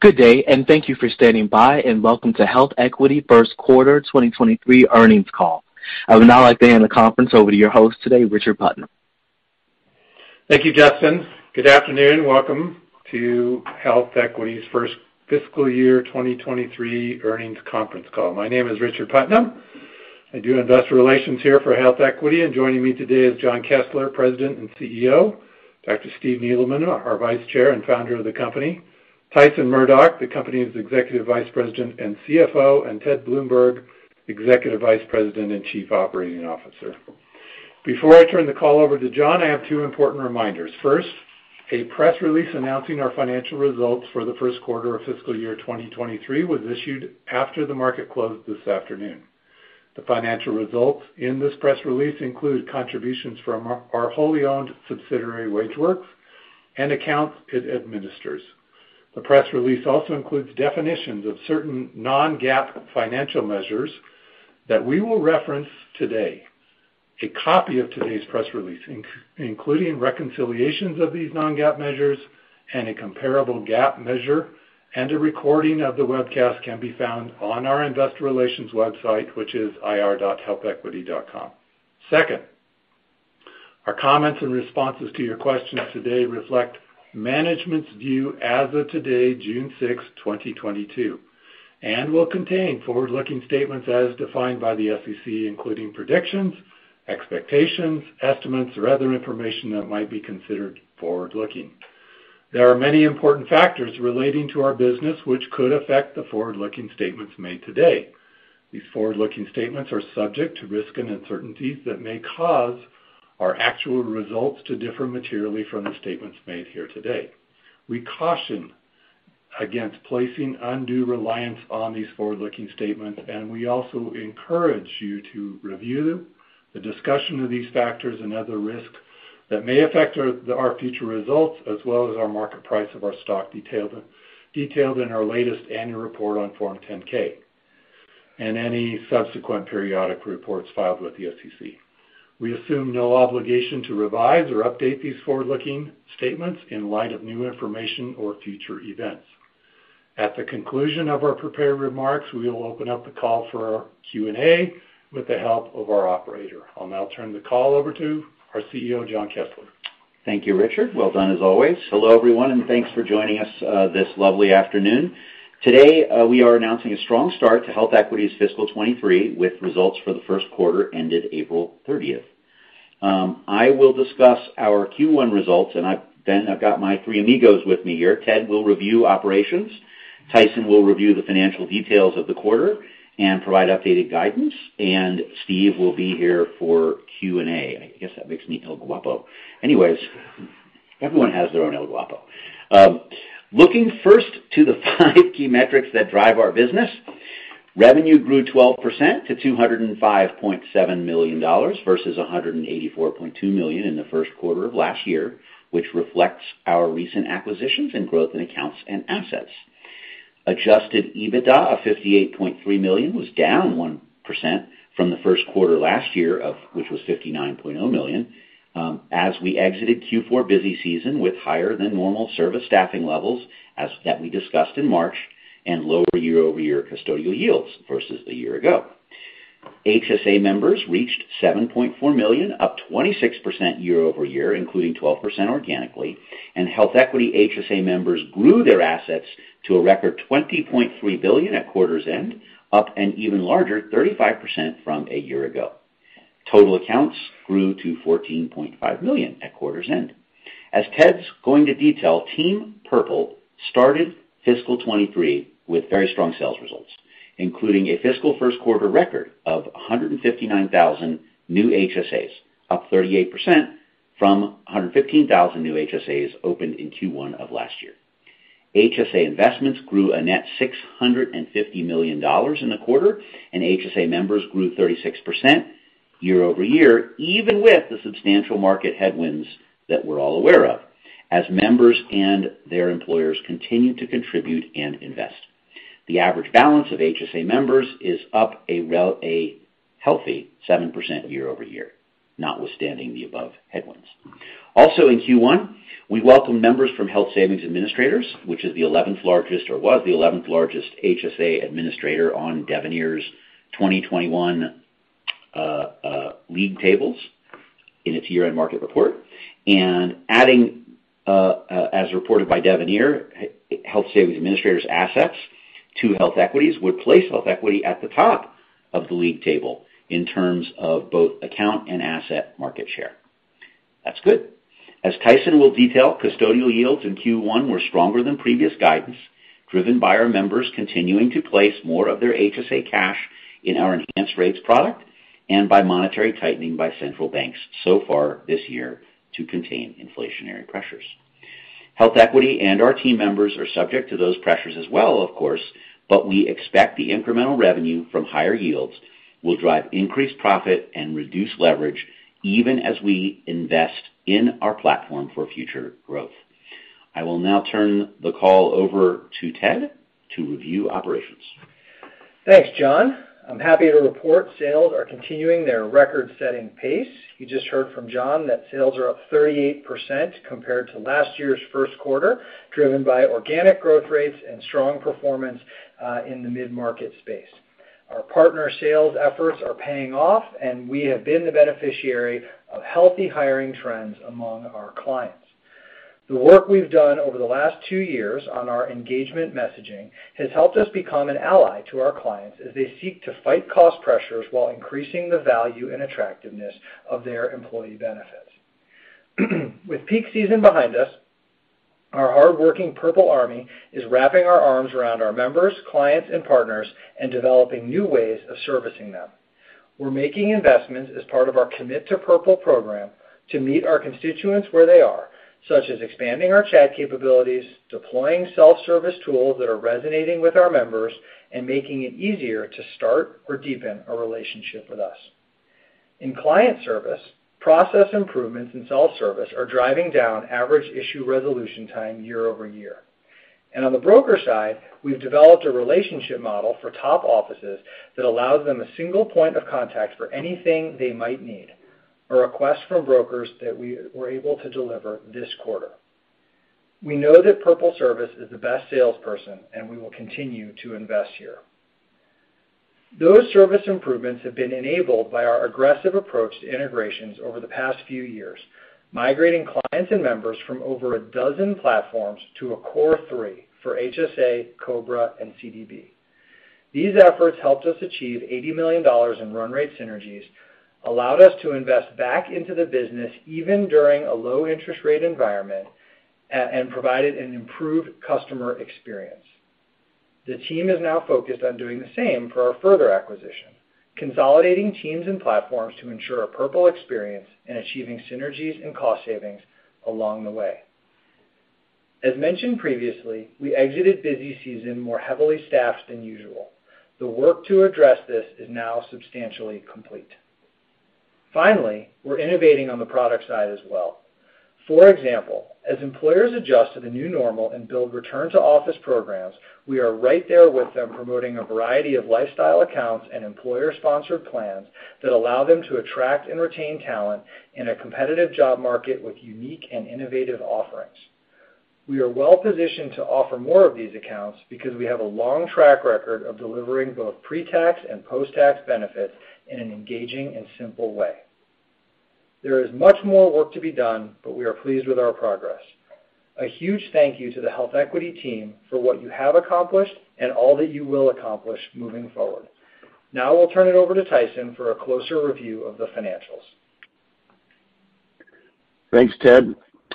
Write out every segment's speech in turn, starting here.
Good day, and thank you for standing by, and welcome to HealthEquity first quarter 2023 earnings call. I would now like to hand the conference over to your host today, Richard Putnam. Thank you, Justin. Good afternoon. Welcome to HealthEquity's first fiscal year 2023 earnings conference call. My name is Richard Putnam. I do investor relations here for HealthEquity, and joining me today is Jon Kessler, President and CEO, Dr. Stephen Neeleman, our Vice Chair and founder of the company, Tyson Murdock, the company's Executive Vice President and CFO, and Ted Bloomberg, Executive Vice President and Chief Operating Officer. Before I turn the call over to Jon, I have two important reminders. First, a press release announcing our financial results for the first quarter of fiscal year 2023 was issued after the market closed this afternoon. The financial results in this press release include contributions from our wholly owned subsidiary, WageWorks, and accounts it administers. The press release also includes definitions of certain non-GAAP financial measures that we will reference today. A copy of today's press release, including reconciliations of these non-GAAP measures and a comparable GAAP measure, and a recording of the webcast can be found on our investor relations website, which is ir.healthequity.com. Second, our comments and responses to your questions today reflect management's view as of today, June 6, 2022, and will contain forward-looking statements as defined by the SEC, including predictions, expectations, estimates, or other information that might be considered forward-looking. There are many important factors relating to our business which could affect the forward-looking statements made today. These forward-looking statements are subject to risks and uncertainties that may cause our actual results to differ materially from the statements made here today. We caution against placing undue reliance on these forward-looking statements, and we also encourage you to review the discussion of these factors and other risks that may affect our future results, as well as our market price of our stock detailed in our latest annual report on Form 10-K, and any subsequent periodic reports filed with the SEC. We assume no obligation to revise or update these forward-looking statements in light of new information or future events. At the conclusion of our prepared remarks, we will open up the call for Q&A with the help of our operator. I'll now turn the call over to our CEO, Jon Kessler. Thank you, Richard. Well done as always. Hello, everyone, and thanks for joining us this lovely afternoon. Today, we are announcing a strong start to HealthEquity's fiscal 2023 with results for the first quarter ended April 13th. I will discuss our Q1 results, then I've got my three amigos with me here. Ted will review operations. Tyson will review the financial details of the quarter and provide updated guidance, and Steve will be here for Q&A. I guess that makes me El Guapo. Anyways, everyone has their own El Guapo. Looking first to the five key metrics that drive our business. Revenue grew 12% to $205.7 million versus $184.2 million in the first quarter of last year, which reflects our recent acquisitions and growth in accounts and assets. Adjusted EBITDA of $58.3 million was down 1% from the first quarter last year, which was $59.0 million, as we exited Q4 busy season with higher than normal service staffing levels as that we discussed in March, and lower year-over-year custodial yields versus a year ago. HSA members reached 7.4 million, up 26% year-over-year, including 12% organically, and HealthEquity HSA members grew their assets to a record $20.3 billion at quarter's end, up an even larger 35% from a year ago. Total accounts grew to $14.5 million at quarter's end. As Ted's going to detail, Team Purple started fiscal 2023 with very strong sales results, including a fiscal first quarter record of 159,000 new HSAs, up 38% from 115,000 new HSAs opened in Q1 of last year. HSA investments grew a net $650 million in the quarter, and HSA members grew 36% year-over-year, even with the substantial market headwinds that we're all aware of as members and their employers continued to contribute and invest. The average balance of HSA members is up a healthy 7% year-over-year, notwithstanding the above headwinds. Also in Q1, we welcomed members from Health Savings Administrators, which is the 11th largest or was the 11th largest HSA administrator on Devenir's 2021 lead tables in its year-end market report. Adding, as reported by Devenir, Health Savings Administrators assets to HealthEquity's would place HealthEquity at the top of the league table in terms of both account and asset market share. That's good. As Tyson will detail, custodial yields in Q1 were stronger than previous guidance, driven by our members continuing to place more of their HSA cash in our Enhanced Rates product and by monetary tightening by central banks so far this year to contain inflationary pressures. HealthEquity and our team members are subject to those pressures as well, of course, but we expect the incremental revenue from higher yields will drive increased profit and reduce leverage even as we invest in our platform for future growth. I will now turn the call over to Ted to review operations. Thanks, Jon. I'm happy to report sales are continuing their record-setting pace. You just heard from Jon that sales are up 38% compared to last year's first quarter, driven by organic growth rates and strong performance in the mid-market space. Our partner sales efforts are paying off, and we have been the beneficiary of healthy hiring trends among our clients. The work we've done over the last two years on our engagement messaging has helped us become an ally to our clients as they seek to fight cost pressures while increasing the value and attractiveness of their employee benefits. With peak season behind us, our hardworking Purple Army is wrapping our arms around our members, clients, and partners and developing new ways of servicing them. We're making investments as part of our Commit to Purple program to meet our constituents where they are, such as expanding our chat capabilities, deploying self-service tools that are resonating with our members, and making it easier to start or deepen a relationship with us. In client service, process improvements in self-service are driving down average issue resolution time year over year. On the broker side, we've developed a relationship model for top offices that allows them a single point of contact for anything they might need, a request from brokers that we were able to deliver this quarter. We know that Purple Service is the best salesperson, and we will continue to invest here. Those service improvements have been enabled by our aggressive approach to integrations over the past few years, migrating clients and members from over a dozen platforms to a core of three for HSA, COBRA, and CDB. These efforts helped us achieve $80 million in run rate synergies, allowed us to invest back into the business even during a low interest rate environment, and provided an improved customer experience. The team is now focused on doing the same for our Further acquisition, consolidating teams and platforms to ensure a Purple experience and achieving synergies and cost savings along the way. As mentioned previously, we exited busy season more heavily staffed than usual. The work to address this is now substantially complete. Finally, we're innovating on the product side as well. For example, as employers adjust to the new normal and build return to office programs, we are right there with them promoting a variety of lifestyle accounts and employer-sponsored plans that allow them to attract and retain talent in a competitive job market with unique and innovative offerings. We are well-positioned to offer more of these accounts because we have a long track record of delivering both pre-tax and post-tax benefits in an engaging and simple way. There is much more work to be done, but we are pleased with our progress. A huge thank you to the HealthEquity team for what you have accomplished and all that you will accomplish moving forward. Now, I'll turn it over to Tyson for a closer review of the financials. Thanks, Ted.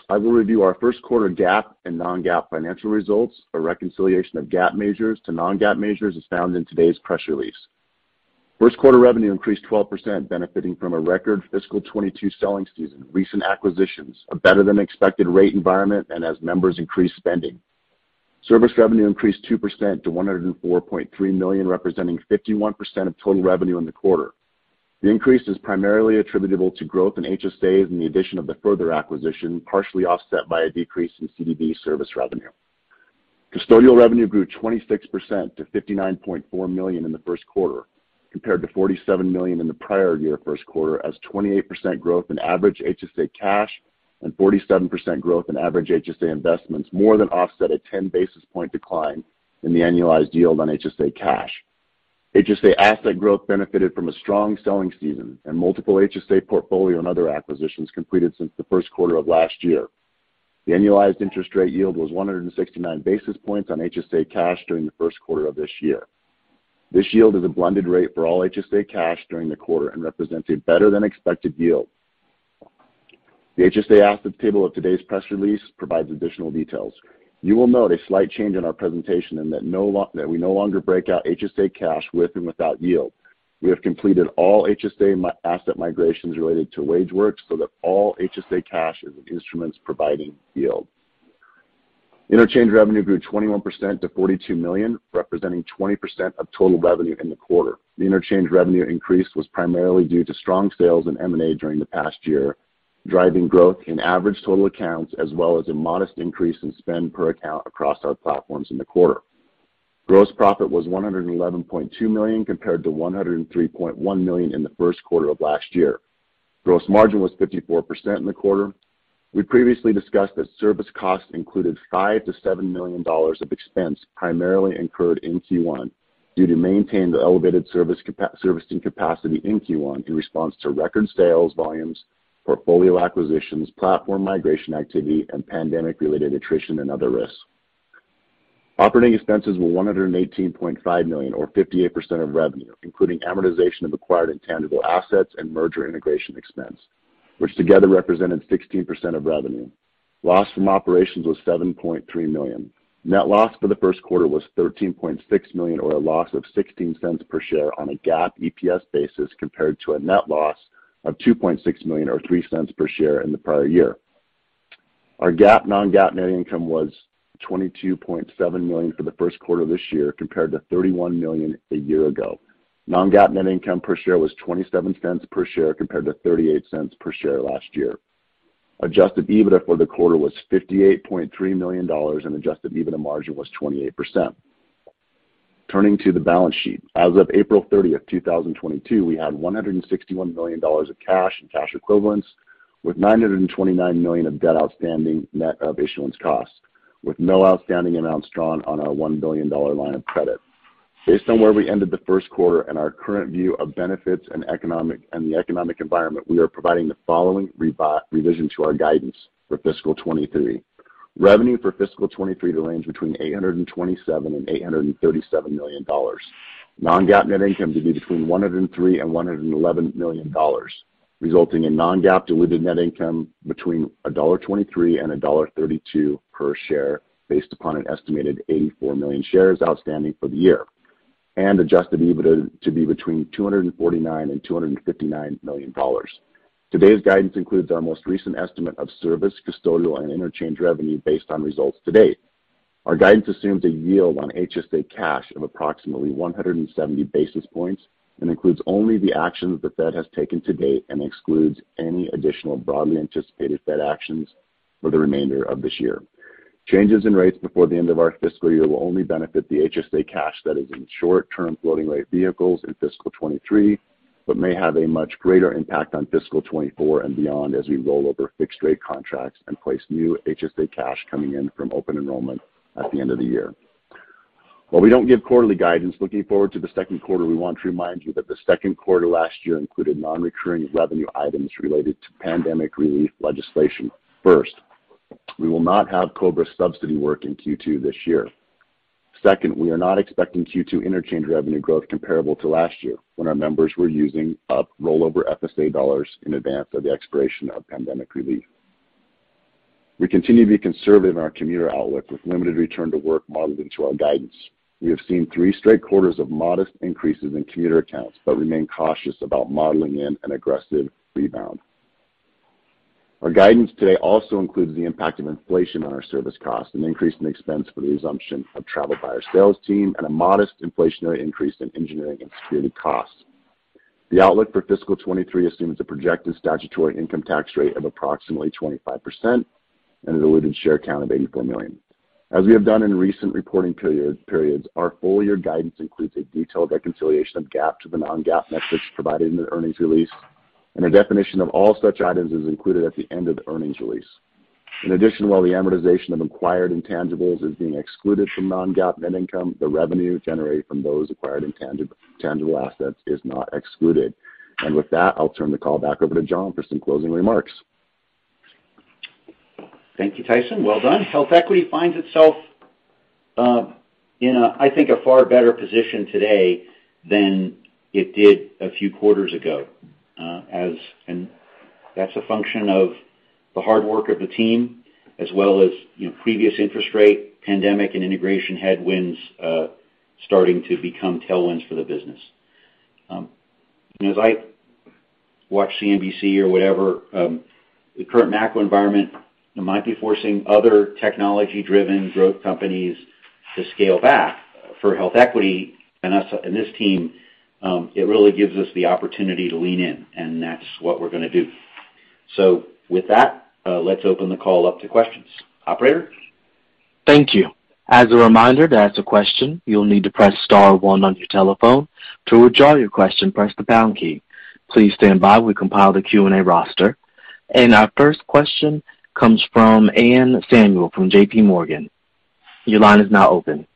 I will review our first quarter GAAP and non-GAAP financial results. A reconciliation of GAAP measures to non-GAAP measures is found in today's press release. First quarter revenue increased 12%, benefiting from a record fiscal 2022 selling season, recent acquisitions, a better-than-expected rate environment, and as members increased spending. Service revenue increased 2% to $104.3 million, representing 51% of total revenue in the quarter. The increase is primarily attributable to growth in HSAs and the addition of the Further acquisition, partially offset by a decrease in CDB service revenue. Custodial revenue grew 26% to $59.4 million in the first quarter, compared to $47 million in the prior year first quarter, as 28% growth in average HSA cash and 47% growth in average HSA investments more than offset a 10 basis points decline in the annualized yield on HSA cash. HSA asset growth benefited from a strong selling season and multiple HSA portfolio and other acquisitions completed since the first quarter of last year. The annualized interest rate yield was 169 basis points on HSA cash during the first quarter of this year. This yield is a blended rate for all HSA cash during the quarter and represents a better than expected yield. The HSA assets table of today's press release provides additional details. You will note a slight change in our presentation in that we no longer break out HSA cash with and without yield. We have completed all HSA asset migrations related to WageWorks so that all HSA cash is in instruments providing yield. Interchange revenue grew 21% to $42 million, representing 20% of total revenue in the quarter. The interchange revenue increase was primarily due to strong sales in M&A during the past year, driving growth in average total accounts as well as a modest increase in spend per account across our platforms in the quarter. Gross profit was $111.2 million compared to $103.1 million in the first quarter of last year. Gross margin was 54% in the quarter. We previously discussed that service costs included $5 million-$7 million of expense primarily incurred in Q1 due to maintaining the elevated servicing capacity in Q1 in response to record sales volumes, portfolio acquisitions, platform migration activity, and pandemic related attrition and other risks. Operating expenses were $118.5 million or 58% of revenue, including amortization of acquired intangible assets and merger integration expense, which together represented 16% of revenue. Loss from operations was $7.3 million. Net loss for the first quarter was $13.6 million or a loss of $0.16 per share on a GAAP EPS basis, compared to a net loss of $2.6 million or $0.03 per share in the prior year. Our GAAP and non-GAAP net income was $22.7 million for the first quarter this year, compared to $31 million a year ago. Non-GAAP net income per share was $0.27 per share compared to $0.38 per share last year. Adjusted EBITDA for the quarter was $58.3 million, and Adjusted EBITDA margin was 28%. Turning to the balance sheet. As of April 30th, 2022, we had $161 million of cash and cash equivalents, with $929 million of debt outstanding net of issuance costs, with no outstanding amounts drawn on our $1 billion line of credit. Based on where we ended the first quarter and our current view of benefits and the economic environment, we are providing the following revision to our guidance for fiscal 2023. Revenue for fiscal 2023 to range between $827 million and $837 million. Non-GAAP net income to be between $103 million and $111 million, resulting in non-GAAP diluted net income between $1.23 and $1.32 per share based upon an estimated 84 million shares outstanding for the year. Adjusted EBITDA to be between $249 million and $259 million. Today's guidance includes our most recent estimate of service, custodial, and interchange revenue based on results to date. Our guidance assumes a yield on HSA cash of approximately 170 basis points and includes only the actions the Fed has taken to date and excludes any additional broadly anticipated Fed actions for the remainder of this year. Changes in rates before the end of our fiscal year will only benefit the HSA cash that is in short-term floating rate vehicles in fiscal 2023, but may have a much greater impact on fiscal 2024 and beyond as we roll over fixed rate contracts and place new HSA cash coming in from open enrollment at the end of the year. While we don't give quarterly guidance, looking forward to the second quarter, we want to remind you that the second quarter last year included non-recurring revenue items related to pandemic relief legislation. First, we will not have COBRA subsidy work in Q2 this year. Second, we are not expecting Q2 interchange revenue growth comparable to last year when our members were using up rollover FSA dollars in advance of the expiration of pandemic relief. We continue to be conservative in our commuter outlook with limited return to work modeled into our guidance. We have seen three straight quarters of modest increases in commuter accounts, but remain cautious about modeling in an aggressive rebound. Our guidance today also includes the impact of inflation on our service costs, an increase in expense for the resumption of travel by our sales team, and a modest inflationary increase in engineering and security costs. The outlook for fiscal 2023 assumes a projected statutory income tax rate of approximately 25% and a diluted share count of $84 million. As we have done in recent reporting periods, our full-year guidance includes a detailed reconciliation of GAAP to the non-GAAP metrics provided in the earnings release, and a definition of all such items is included at the end of the earnings release. In addition, while the amortization of acquired intangibles is being excluded from non-GAAP net income, the revenue generated from those acquired intangible assets is not excluded. With that, I'll turn the call back over to Jon for some closing remarks. Thank you, Tyson. Well done. HealthEquity finds itself in a, I think, a far better position today than it did a few quarters ago, and that's a function of the hard work of the team as well as, you know, previous interest rate, pandemic, and integration headwinds starting to become tailwinds for the business. As I watch CNBC or whatever, the current macro environment might be forcing other technology-driven growth companies to scale back. For HealthEquity and us and this team, it really gives us the opportunity to lean in, and that's what we're gonna do. With that, let's open the call up to questions. Operator? Thank you. As a reminder, to ask a question, you'll need to press star one on your telephone. To withdraw your question, press the pound key. Please stand by. We compiled a Q&A roster. Our first question comes from Anne Samuel from JPMorgan. Your line is now open.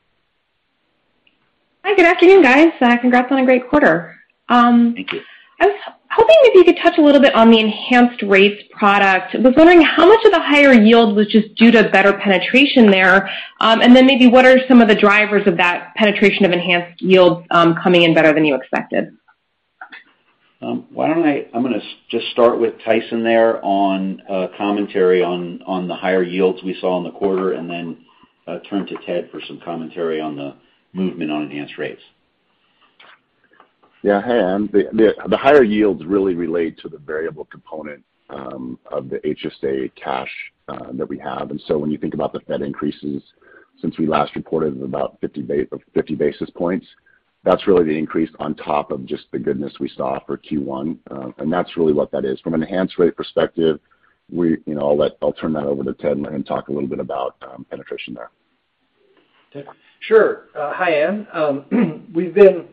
Hi, good afternoon, guys. Congrats on a great quarter. Thank you. I was hoping maybe you could touch a little bit on the Enhanced Rates product. Was wondering how much of the higher yield was just due to better penetration there, and then maybe what are some of the drivers of that penetration of enhanced yields, coming in better than you expected? I'm gonna just start with Tyson there on commentary on the higher yields we saw in the quarter and then turn to Ted for some commentary on the movement on Enhanced Rates. Yeah. Hi, Anne. The higher yields really relate to the variable component of the HSA cash that we have. When you think about the Fed increases since we last reported of about 50 basis points, that's really the increase on top of just the goodness we saw for Q1, and that's really what that is. From an enhanced rate perspective, you know, I'll turn that over to Ted, and he can talk a little bit about penetration there. Ted? Sure. Hi, Anne. We've been,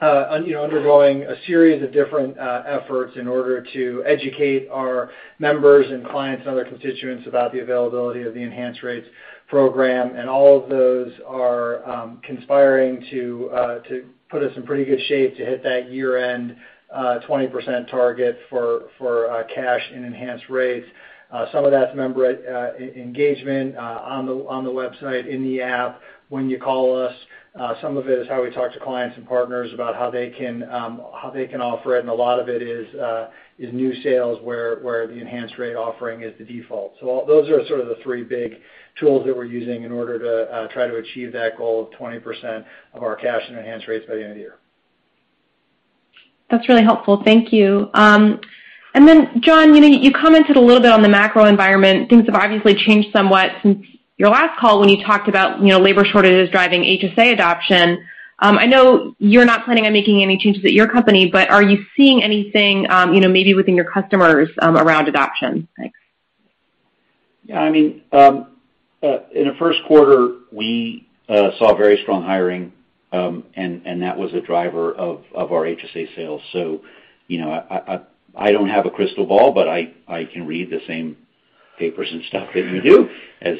you know, undergoing a series of different efforts in order to educate our members and clients and other constituents about the availability of the Enhanced Rates program, and all of those are conspiring to put us in pretty good shape to hit that year-end 20% target for cash and Enhanced Rates. Some of that's member engagement on the website, in the app, when you call us. Some of it is how we talk to clients and partners about how they can offer it, and a lot of it is new sales where the Enhanced Rates offering is the default. Those are sort of the three big tools that we're using in order to try to achieve that goal of 20% of our cash in Enhanced Rates by the end of the year. That's really helpful. Thank you. Jon, you know, you commented a little bit on the macro environment. Things have obviously changed somewhat since your last call when you talked about, you know, labor shortages driving HSA adoption. I know you're not planning on making any changes at your company, but are you seeing anything, you know, maybe within your customers, around adoption? Thanks. Yeah. I mean, in the first quarter, we saw very strong hiring, and that was a driver of our HSA sales. You know, I don't have a crystal ball, but I can read the same papers and stuff that you do, as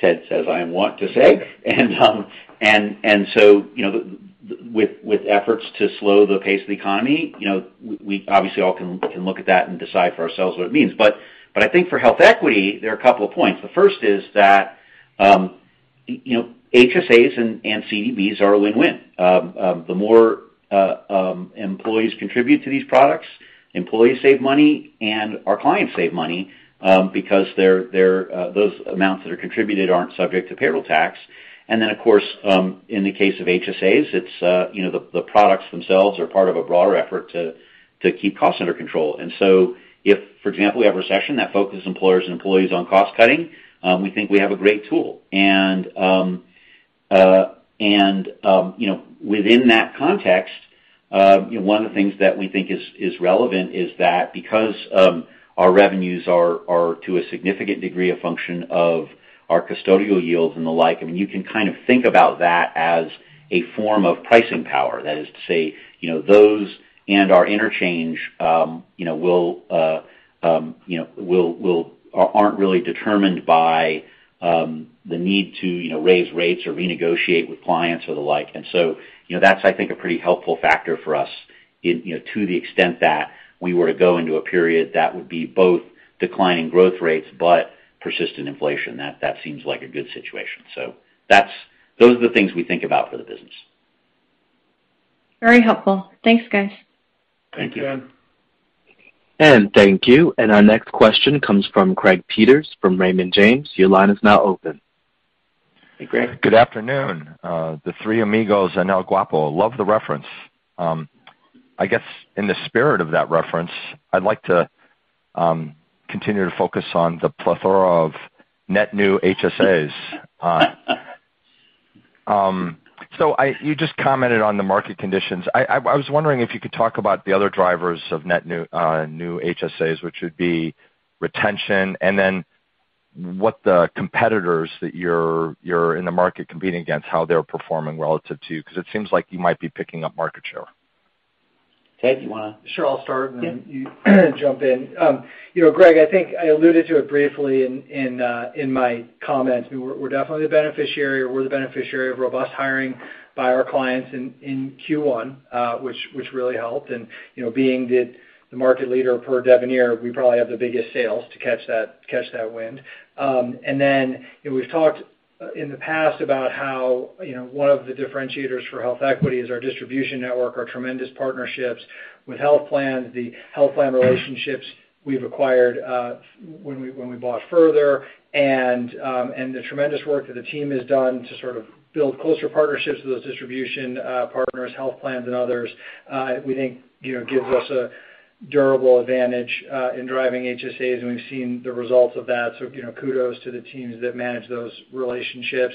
Ted says I want to say. With efforts to slow the pace of the economy, you know, we obviously all can look at that and decide for ourselves what it means. I think for HealthEquity, there are a couple of points. The first is that you know, HSAs and CDBs are a win-win. The more employees contribute to these products, employees save money and our clients save money, because those amounts that are contributed aren't subject to payroll tax. Then of course, in the case of HSAs, it's, you know, the products themselves are part of a broader effort to keep costs under control. If, for example, we have a recession that focuses employers and employees on cost cutting, we think we have a great tool. You know, within that context, you know, one of the things that we think is relevant is that because our revenues are to a significant degree a function of our custodial yields and the like, I mean, you can kind of think about that as a form of pricing power. That is to say, you know, those and our interchange, you know, aren't really determined by the need to, you know, raise rates or renegotiate with clients or the like. You know, that's, I think, a pretty helpful factor for us in, you know, to the extent that we were to go into a period that would be both declining growth rates but persistent inflation. That seems like a good situation. Those are the things we think about for the business. Very helpful. Thanks, guys. Thank you. Thanks again. Thank you. Our next question comes from Greg Peters from Raymond James. Your line is now open. Hey, Greg. Good afternoon. The three amigos and El Guapo. Love the reference. I guess in the spirit of that reference, I'd like to continue to focus on the plethora of net new HSAs. You just commented on the market conditions. I was wondering if you could talk about the other drivers of net new HSAs, which would be retention, and then what the competitors that you're in the market competing against, how they're performing relative to you, 'cause it seems like you might be picking up market share? Ted, you wanna? Sure. I'll start and then you jump in. You know, Greg, I think I alluded to it briefly in my comments. We're definitely the beneficiary of robust hiring by our clients in Q1, which really helped. You know, being the market leader per Devenir, we probably have the biggest sales to catch that wind. You know, we've talked in the past about how, you know, one of the differentiators for HealthEquity is our distribution network, our tremendous partnerships with health plans, the health plan relationships we've acquired when we bought Further and the tremendous work that the team has done to sort of build closer partnerships with those distribution partners, health plans and others. We think, you know, gives us a durable advantage in driving HSAs, and we've seen the results of that. You know, kudos to the teams that manage those relationships.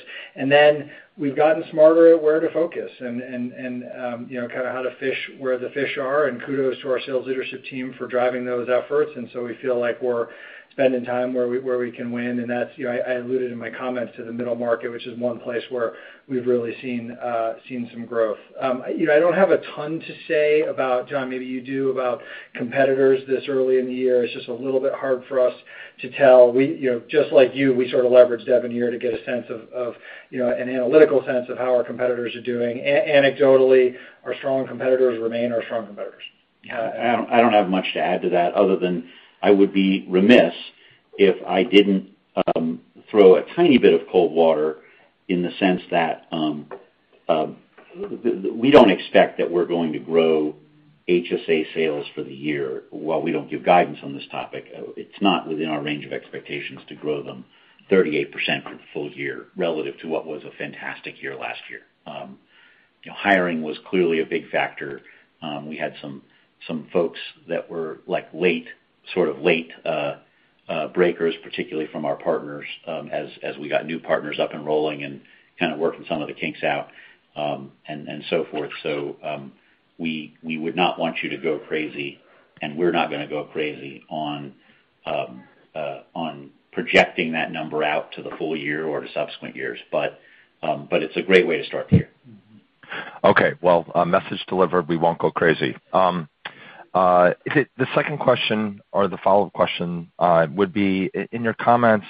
We've gotten smarter at where to focus and, you know, kind of how to fish where the fish are, and kudos to our sales leadership team for driving those efforts. We feel like we're spending time where we can win. That's, you know, I alluded in my comments to the middle market, which is one place where we've really seen some growth. You know, I don't have a ton to say about, Jon Kessler, maybe you do, about competitors this early in the year. It's just a little bit hard for us to tell. You know, just like you, we sort of leverage Devenir to get a sense of, you know, an analytical sense of how our competitors are doing. Anecdotally, our strong competitors remain our strong competitors. Yeah. I don't have much to add to that other than I would be remiss if I didn't throw a tiny bit of cold water in the sense that we don't expect that we're going to grow HSA sales for the year. While we don't give guidance on this topic, it's not within our range of expectations to grow them 38% for the full year relative to what was a fantastic year last year. You know, hiring was clearly a big factor. We had some folks that were sort of late breakers, particularly from our partners, as we got new partners up and rolling and kind of working some of the kinks out, and so forth. We would not want you to go crazy, and we're not gonna go crazy on projecting that number out to the full year or to subsequent years. It's a great way to start the year. Okay. Well, message delivered. We won't go crazy. Is it the second question or the follow-up question, would be in your comments,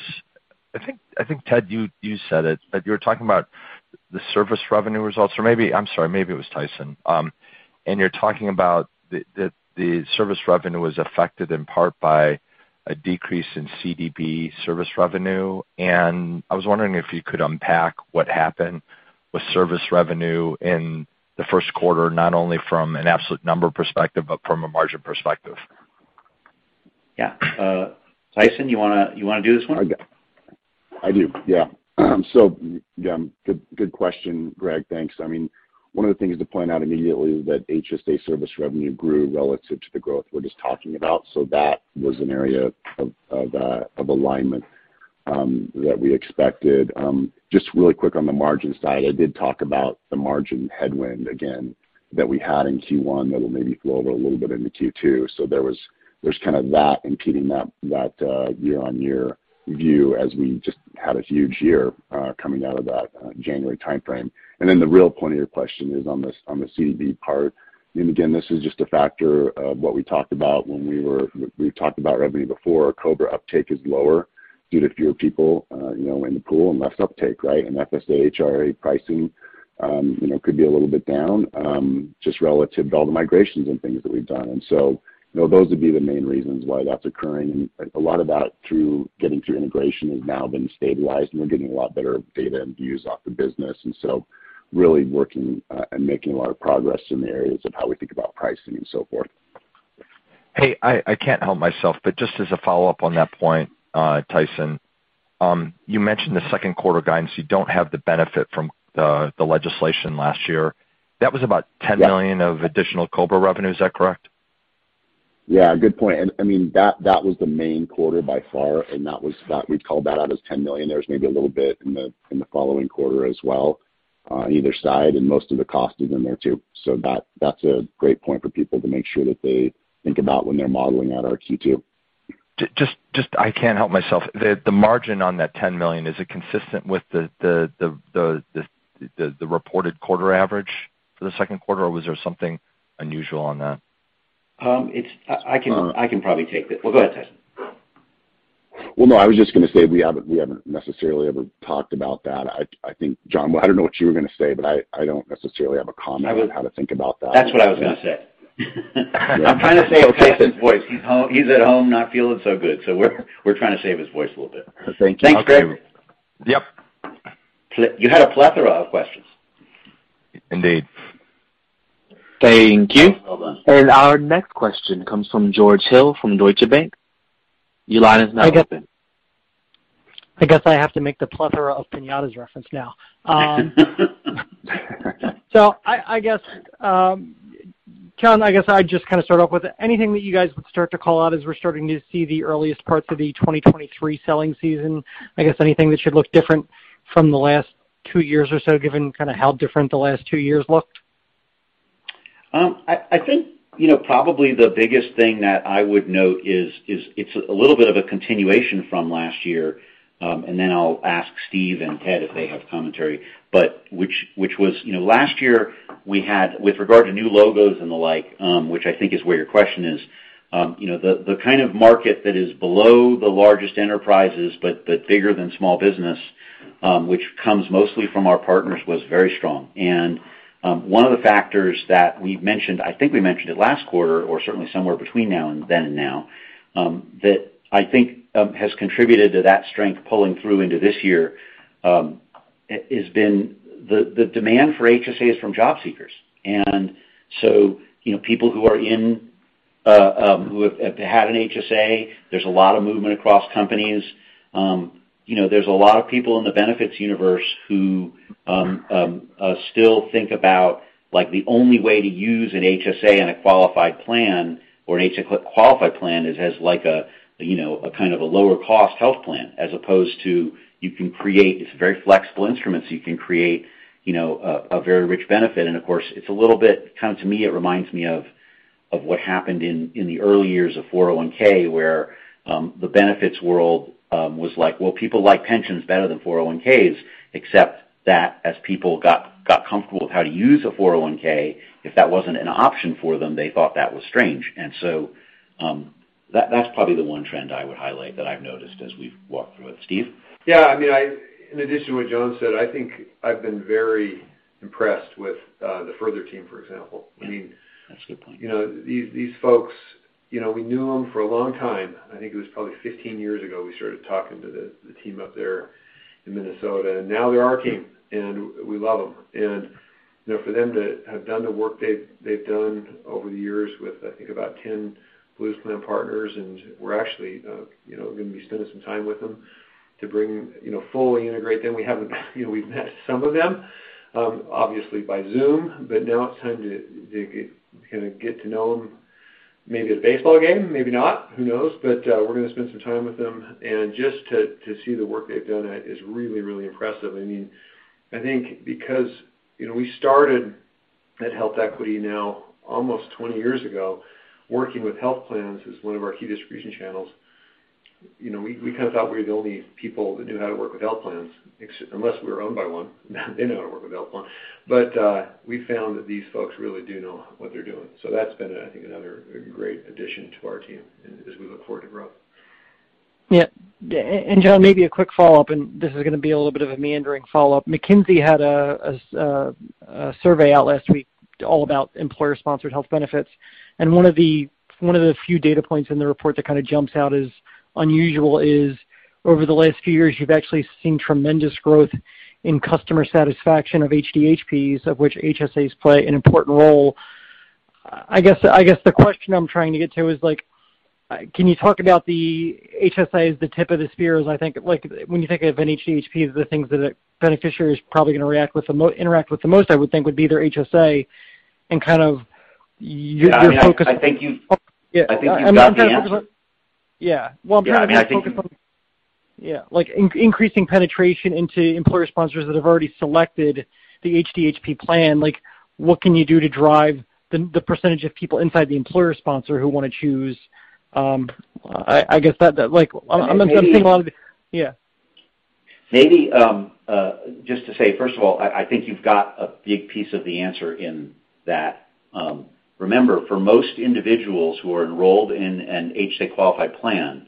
I think, Ted, you said it, but you were talking about the service revenue results or maybe I'm sorry, maybe it was Tyson. You're talking about the service revenue was affected in part by a decrease in CDB service revenue. I was wondering if you could unpack what happened with service revenue in the first quarter, not only from an absolute number perspective, but from a margin perspective. Yeah. Tyson, you wanna do this one? I do, yeah. Yeah, good question, Greg. Thanks. I mean, one of the things to point out immediately is that HSA service revenue grew relative to the growth we're just talking about, so that was an area of alignment. That we expected. Just really quick on the margin side, I did talk about the margin headwind again that we had in Q1 that will maybe flow over a little bit into Q2. There's kind of that impeding that year-on-year view as we just had a huge year coming out of that January timeframe. The real point of your question is on this, on the CDB part, and again, this is just a factor of what we talked about when we talked about revenue before. COBRA uptake is lower due to fewer people, you know, in the pool and less uptake, right? FSA HRA pricing, you know, could be a little bit down just relative to all the migrations and things that we've done. You know, those would be the main reasons why that's occurring. A lot of that through getting through integration has now been stabilized, and we're getting a lot better data and views off the business. Really working, and making a lot of progress in the areas of how we think about pricing and so forth. Hey, I can't help myself, but just as a follow-up on that point, Tyson, you mentioned the second quarter guidance, you don't have the benefit from the legislation last year. That was about $10 million of additional COBRA revenue. Is that correct? Yeah, good point. I mean, that was the main quarter by far, and that we'd call that out as $10 million. There's maybe a little bit in the following quarter as well on either side, and most of the cost is in there too. That's a great point for people to make sure that they think about when they're modeling out our Q2. Just, I can't help myself. The margin on that $10 million, is it consistent with the reported quarter average for the second quarter, or was there something unusual on that? I can probably take this. Well, go ahead, Tyson. Well, no, I was just gonna say we haven't necessarily ever talked about that. I think, Jon, well, I don't know what you were gonna say, but I don't necessarily have a comment on how to think about that. That's what I was gonna say. I'm trying to save Tyson's voice. He's at home not feeling so good, so we're trying to save his voice a little bit. Thank you. Thanks, Greg. Yep. You had a plethora of questions. Indeed. Thank you. Well done. Our next question comes from George Hill from Deutsche Bank. Your line is now open. I guess I have to make the plethora of piñatas reference now. I guess, Jon, I'd just kind of start off with anything that you guys would start to call out as we're starting to see the earliest parts of the 2023 selling season. I guess anything that should look different from the last two years or so, given kind of how different the last two years looked? I think, you know, probably the biggest thing that I would note is it's a little bit of a continuation from last year, and then I'll ask Steve and Ted if they have commentary, which was, you know, last year we had with regard to new logos and the like, which I think is where your question is. You know, the kind of market that is below the largest enterprises but bigger than small business, which comes mostly from our partners, was very strong. One of the factors that we mentioned, I think we mentioned it last quarter or certainly somewhere between now and then and now, that I think has contributed to that strength pulling through into this year, has been the demand for HSAs from job seekers. You know, people who are in, who have had an HSA, there's a lot of movement across companies. You know, there's a lot of people in the benefits universe who still think about, like, the only way to use an HSA in a qualified plan or an HSA qualified plan is as like a, you know, a kind of a lower cost health plan as opposed to you can create this very flexible instrument, so you can create, you know, a very rich benefit. Of course, it's a little bit kind of to me, it reminds me of what happened in the early years of 401(k), where the benefits world was like, well, people like pensions better than 401(k)s, except that as people got comfortable with how to use a 401(k), if that wasn't an option for them, they thought that was strange. That's probably the one trend I would highlight that I've noticed as we've walked through it. Stephen Neeleman? Yeah. I mean, in addition to what John said, I think I've been very impressed with the Further team, for example. That's a good point. You know, these folks, you know, we knew them for a long time. I think it was probably 15 years ago, we started talking to the team up there in Minnesota, and now they're our team, and we love them. You know, for them to have done the work they've done over the years with I think about 10 Blue Cross partners, and we're actually, you know, gonna be spending some time with them to bring, you know, fully integrate them. We haven't, you know, we've met some of them, obviously by Zoom, but now it's time to kinda get to know them, maybe at baseball game, maybe not, who knows. We're gonna spend some time with them and just to see the work they've done is really, really impressive. I mean, I think because, you know, we started at HealthEquity now almost 20 years ago, working with health plans is one of our key distribution channels. You know, we kind of thought we were the only people that knew how to work with health plans, unless we were owned by one. Now they know how to work with health plans. We found that these folks really do know what they're doing. That's been, I think, another great addition to our team as we look forward to growing. Yeah. Jon, maybe a quick follow-up, and this is gonna be a little bit of a meandering follow-up. McKinsey had a survey out last week all about employer-sponsored health benefits, and one of the few data points in the report that kinda jumps out as unusual is over the last few years, you've actually seen tremendous growth in customer satisfaction of HDHPs, of which HSAs play an important role. I guess the question I'm trying to get to is, like, can you talk about the HSA as the tip of the spear, as I think, when you think of an HDHP as the things that a beneficiary is probably gonna interact with the most, I would think would be their HSA. I think you've got the answer. Yeah. Well, I'm trying to think of it. Yeah, I mean, I think. Yeah. Like increasing penetration into employer sponsors that have already selected the HDHP plan. Like, what can you do to drive the percentage of people inside the employer sponsor who wanna choose. I guess that, like, I'm thinking a lot of yeah. Maybe just to say, first of all, I think you've got a big piece of the answer in that. Remember, for most individuals who are enrolled in an HSA-qualified plan,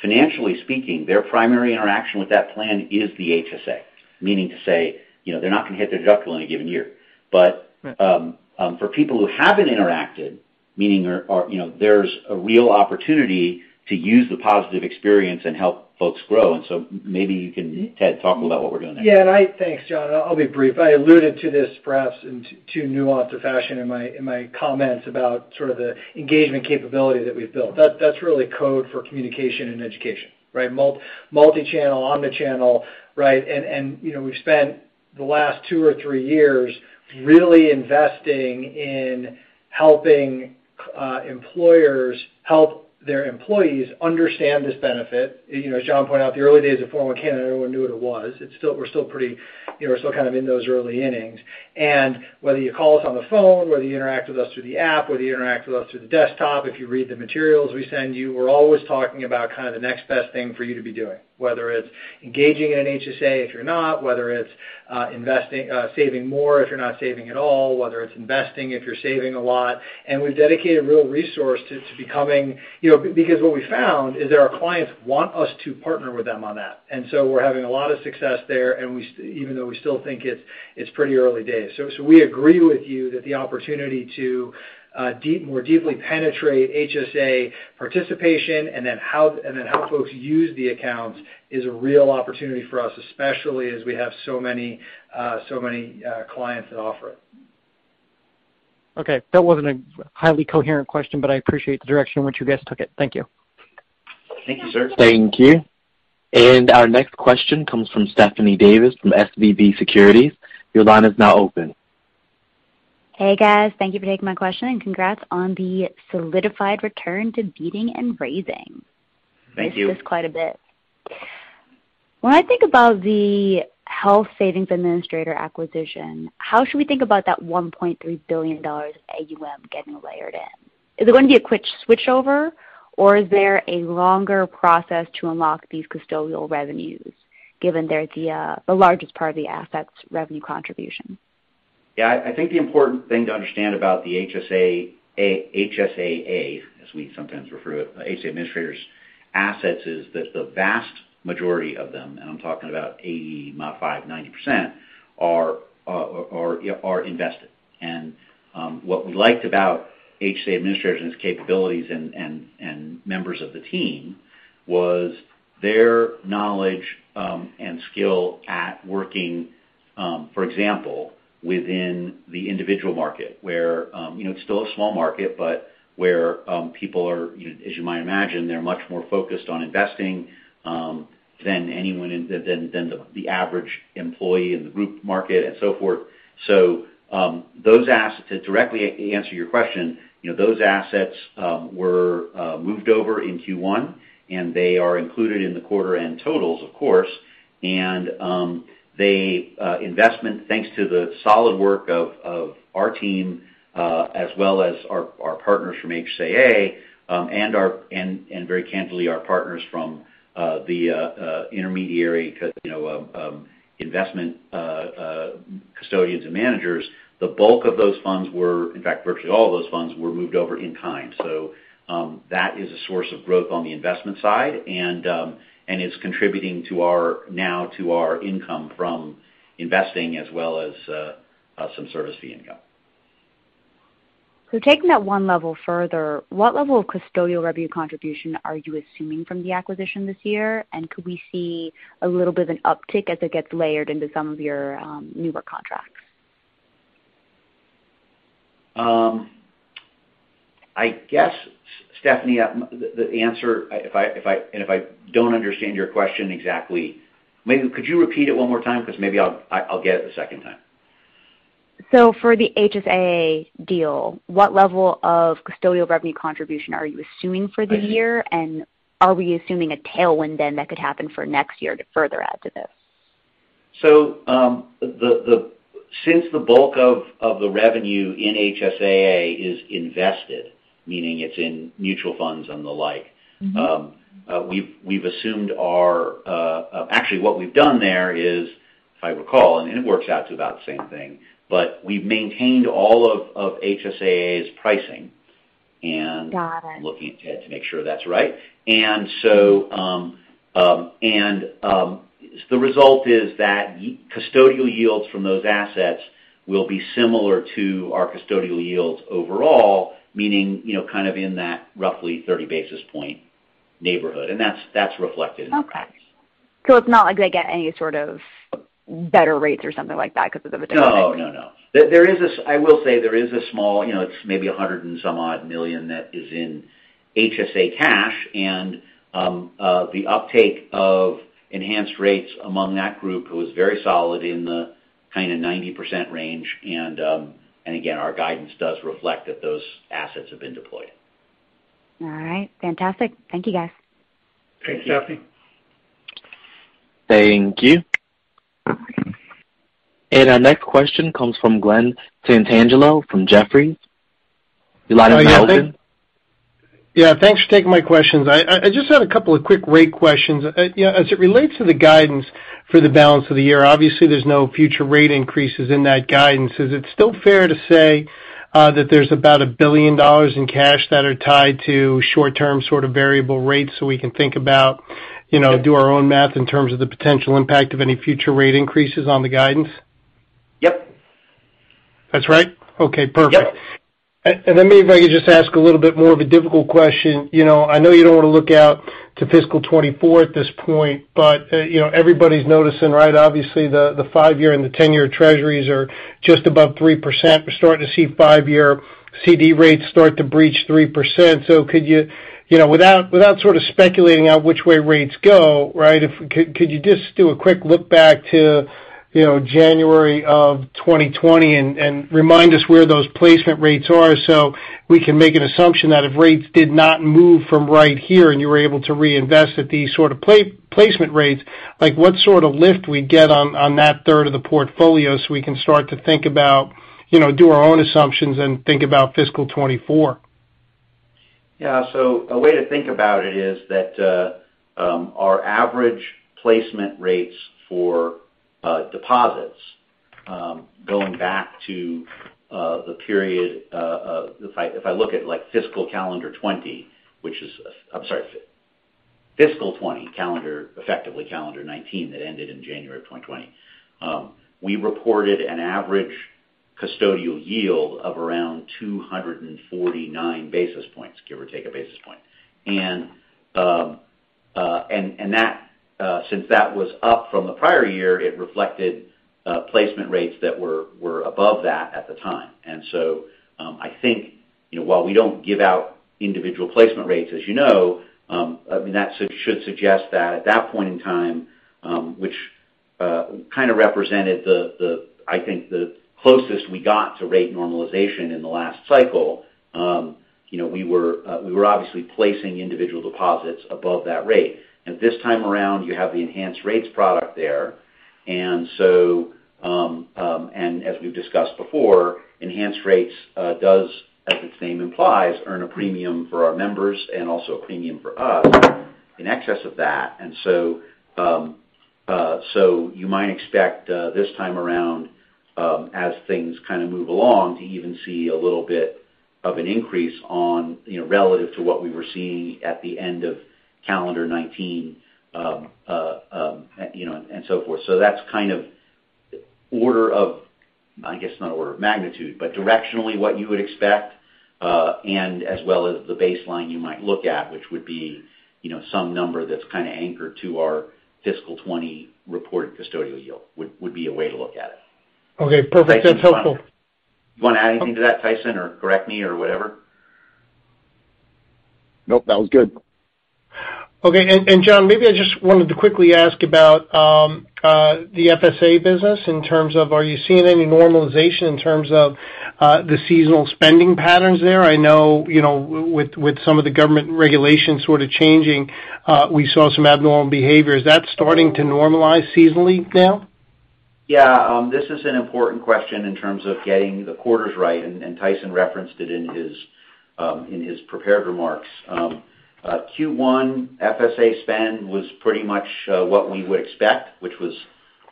financially speaking, their primary interaction with that plan is the HSA. Meaning to say, you know, they're not gonna hit their deductible in a given year. Right. But for people who haven't interacted, you know, there's a real opportunity to use the positive experience and help folks grow. Maybe you can, Ted, talk about what we're doing there. Yeah. Thanks, Jon. I'll be brief. I alluded to this perhaps in too nuanced a fashion in my comments about sort of the engagement capability that we've built. That's really code for communication and education, right? Multi-channel, Omni-channel, right? And you know, we've spent the last two or three years really investing in helping employers help their employees understand this benefit. You know, as Jon pointed out, the early days of 401(k), no one knew what it was. It's still, we're still pretty you know, we're still kind of in those early innings. Whether you call us on the phone, whether you interact with us through the app, whether you interact with us through the desktop, if you read the materials we send you, we're always talking about kind of the next best thing for you to be doing. Whether it's engaging in an HSA, if you're not, whether it's saving more if you're not saving at all, whether it's investing if you're saving a lot. We've dedicated real resources to that. You know, because what we found is that our clients want us to partner with them on that. We're having a lot of success there, even though we still think it's pretty early days. We agree with you that the opportunity to more deeply penetrate HSA participation and then how folks use the accounts is a real opportunity for us, especially as we have so many clients that offer it. Okay. That wasn't a highly coherent question, but I appreciate the direction in which you guys took it. Thank you. Thank you, sir. Thank you. Our next question comes from Stephanie Davis from SVB Securities. Your line is now open. Hey, guys. Thank you for taking my question, and congrats on the solidified return to beating and raising. Thank you. Missed this quite a bit. When I think about the Health Savings Administrators acquisition, how should we think about that $1.3 billion AUM getting layered in? Is it gonna be a quick switchover, or is there a longer process to unlock these custodial revenues, given they're the largest part of the assets revenue contribution? Yeah. I think the important thing to understand about the HSAA, as we sometimes refer to it, HSA Administrators assets, is that the vast majority of them, and I'm talking about 85%-90% are invested. What we liked about HSA Administrators' capabilities and members of the team was their knowledge and skill at working, for example, within the individual market, where, you know, it's still a small market, but where, you know, as you might imagine, they're much more focused on investing than the average employee in the group market and so forth. Those assets, to directly answer your question, you know, those assets were moved over in Q1, and they are included in the quarter end totals, of course. The investment, thanks to the solid work of our team, as well as our partners from HSAA, and very candidly our partners from the intermediary, you know, investment custodians and managers. The bulk of those funds were. In fact, virtually all of those funds were moved over in time. That is a source of growth on the investment side and is contributing to our, now to our income from investing as well as some service fee income. Taking that one level further, what level of custodial revenue contribution are you assuming from the acquisition this year? Could we see a little bit of an uptick as it gets layered into some of your newer contracts? I guess, Stephanie, if I don't understand your question exactly, maybe could you repeat it one more time? 'Cause maybe I'll get it the second time. For the HSAA deal, what level of custodial revenue contribution are you assuming for the year? I see. Are we assuming a tailwind then that could happen for next year to further add to this? Since the bulk of the revenue in HSAA is invested, meaning it's in mutual funds and the like. Mm-hmm. Actually, what we've done there is, if I recall, and it works out to about the same thing, but we've maintained all of HSAA's pricing. Got it. I'm looking at Ted to make sure that's right. The result is that the custodial yields from those assets will be similar to our custodial yields overall, meaning, you know, kind of in that roughly 30 basis points neighborhood, and that's reflected in our guidance. Okay. It's not like they get any sort of better rates or something like that 'cause of the difference. No. There is a small, you know, it's maybe $100 and some odd million that is in HSA cash and the uptake of Enhanced Rates among that group. It was very solid in the kinda 90% range and again, our guidance does reflect that those assets have been deployed. All right. Fantastic. Thank you, guys. Thanks, Stephanie. Thank you. Our next question comes from Glen Santangelo from Jefferies. Your line is now open. Yeah. Thanks for taking my questions. I just had a couple of quick rate questions. You know, as it relates to the guidance for the balance of the year, obviously there's no future rate increases in that guidance. Is it still fair to say that there's about $1 billion in cash that are tied to short-term sort of variable rates, so we can think about, you know, do our own math in terms of the potential impact of any future rate increases on the guidance? Yep. That's right? Okay, perfect. Yep. Maybe if I could just ask a little bit more of a difficult question. You know, I know you don't want to look out to fiscal 2024 at this point, but you know, everybody's noticing, right, obviously, the five-year and the ten-year treasuries are just above 3%. We're starting to see five-year CD rates start to breach 3%. Could you know, without sort of speculating out which way rates go, right, if could you just do a quick look back to, you know, January of 2020 and remind us where those placement rates are so we can make an assumption that if rates did not move from right here and you were able to reinvest at these sort of placement rates, like what sort of lift we'd get on that third of the portfolio so we can start to think about, you know, do our own assumptions and think about fiscal 2024? Yeah. A way to think about it is that our average placement rates for deposits going back to the period if I look at, like, fiscal 2020, which is effectively calendar 2019 that ended in January 2020. We reported an average custodial yield of around 249 basis points, give or take a basis point. That since that was up from the prior year, it reflected placement rates that were above that at the time. I think, you know, while we don't give out individual placement rates, as you know, I mean, that should suggest that at that point in time, which kind of represented the, I think, the closest we got to rate normalization in the last cycle, you know, we were obviously placing individual deposits above that rate. This time around, you have the Enhanced Rates product there. As we've discussed before, Enhanced Rates does, as its name implies, earn a premium for our members and also a premium for us in excess of that. You might expect this time around, as things kind of move along, to even see a little bit of an increase on, you know, relative to what we were seeing at the end of calendar 2019, you know, and so forth. That's kind of order of, I guess not order of magnitude, but directionally what you would expect, and as well as the baseline you might look at, which would be, you know, some number that's kind of anchored to our fiscal 2020 reported custodial yield would be a way to look at it. Okay. Perfect. That's helpful. You wanna add anything to that, Tyson, or correct me or whatever? Nope, that was good. Okay. Jon, maybe I just wanted to quickly ask about the FSA business in terms of are you seeing any normalization in terms of the seasonal spending patterns there? I know, you know, with some of the government regulations sort of changing, we saw some abnormal behavior. Is that starting to normalize seasonally now? Yeah. This is an important question in terms of getting the quarters right, and Tyson referenced it in his prepared remarks. Q1 FSA spend was pretty much what we would expect, which was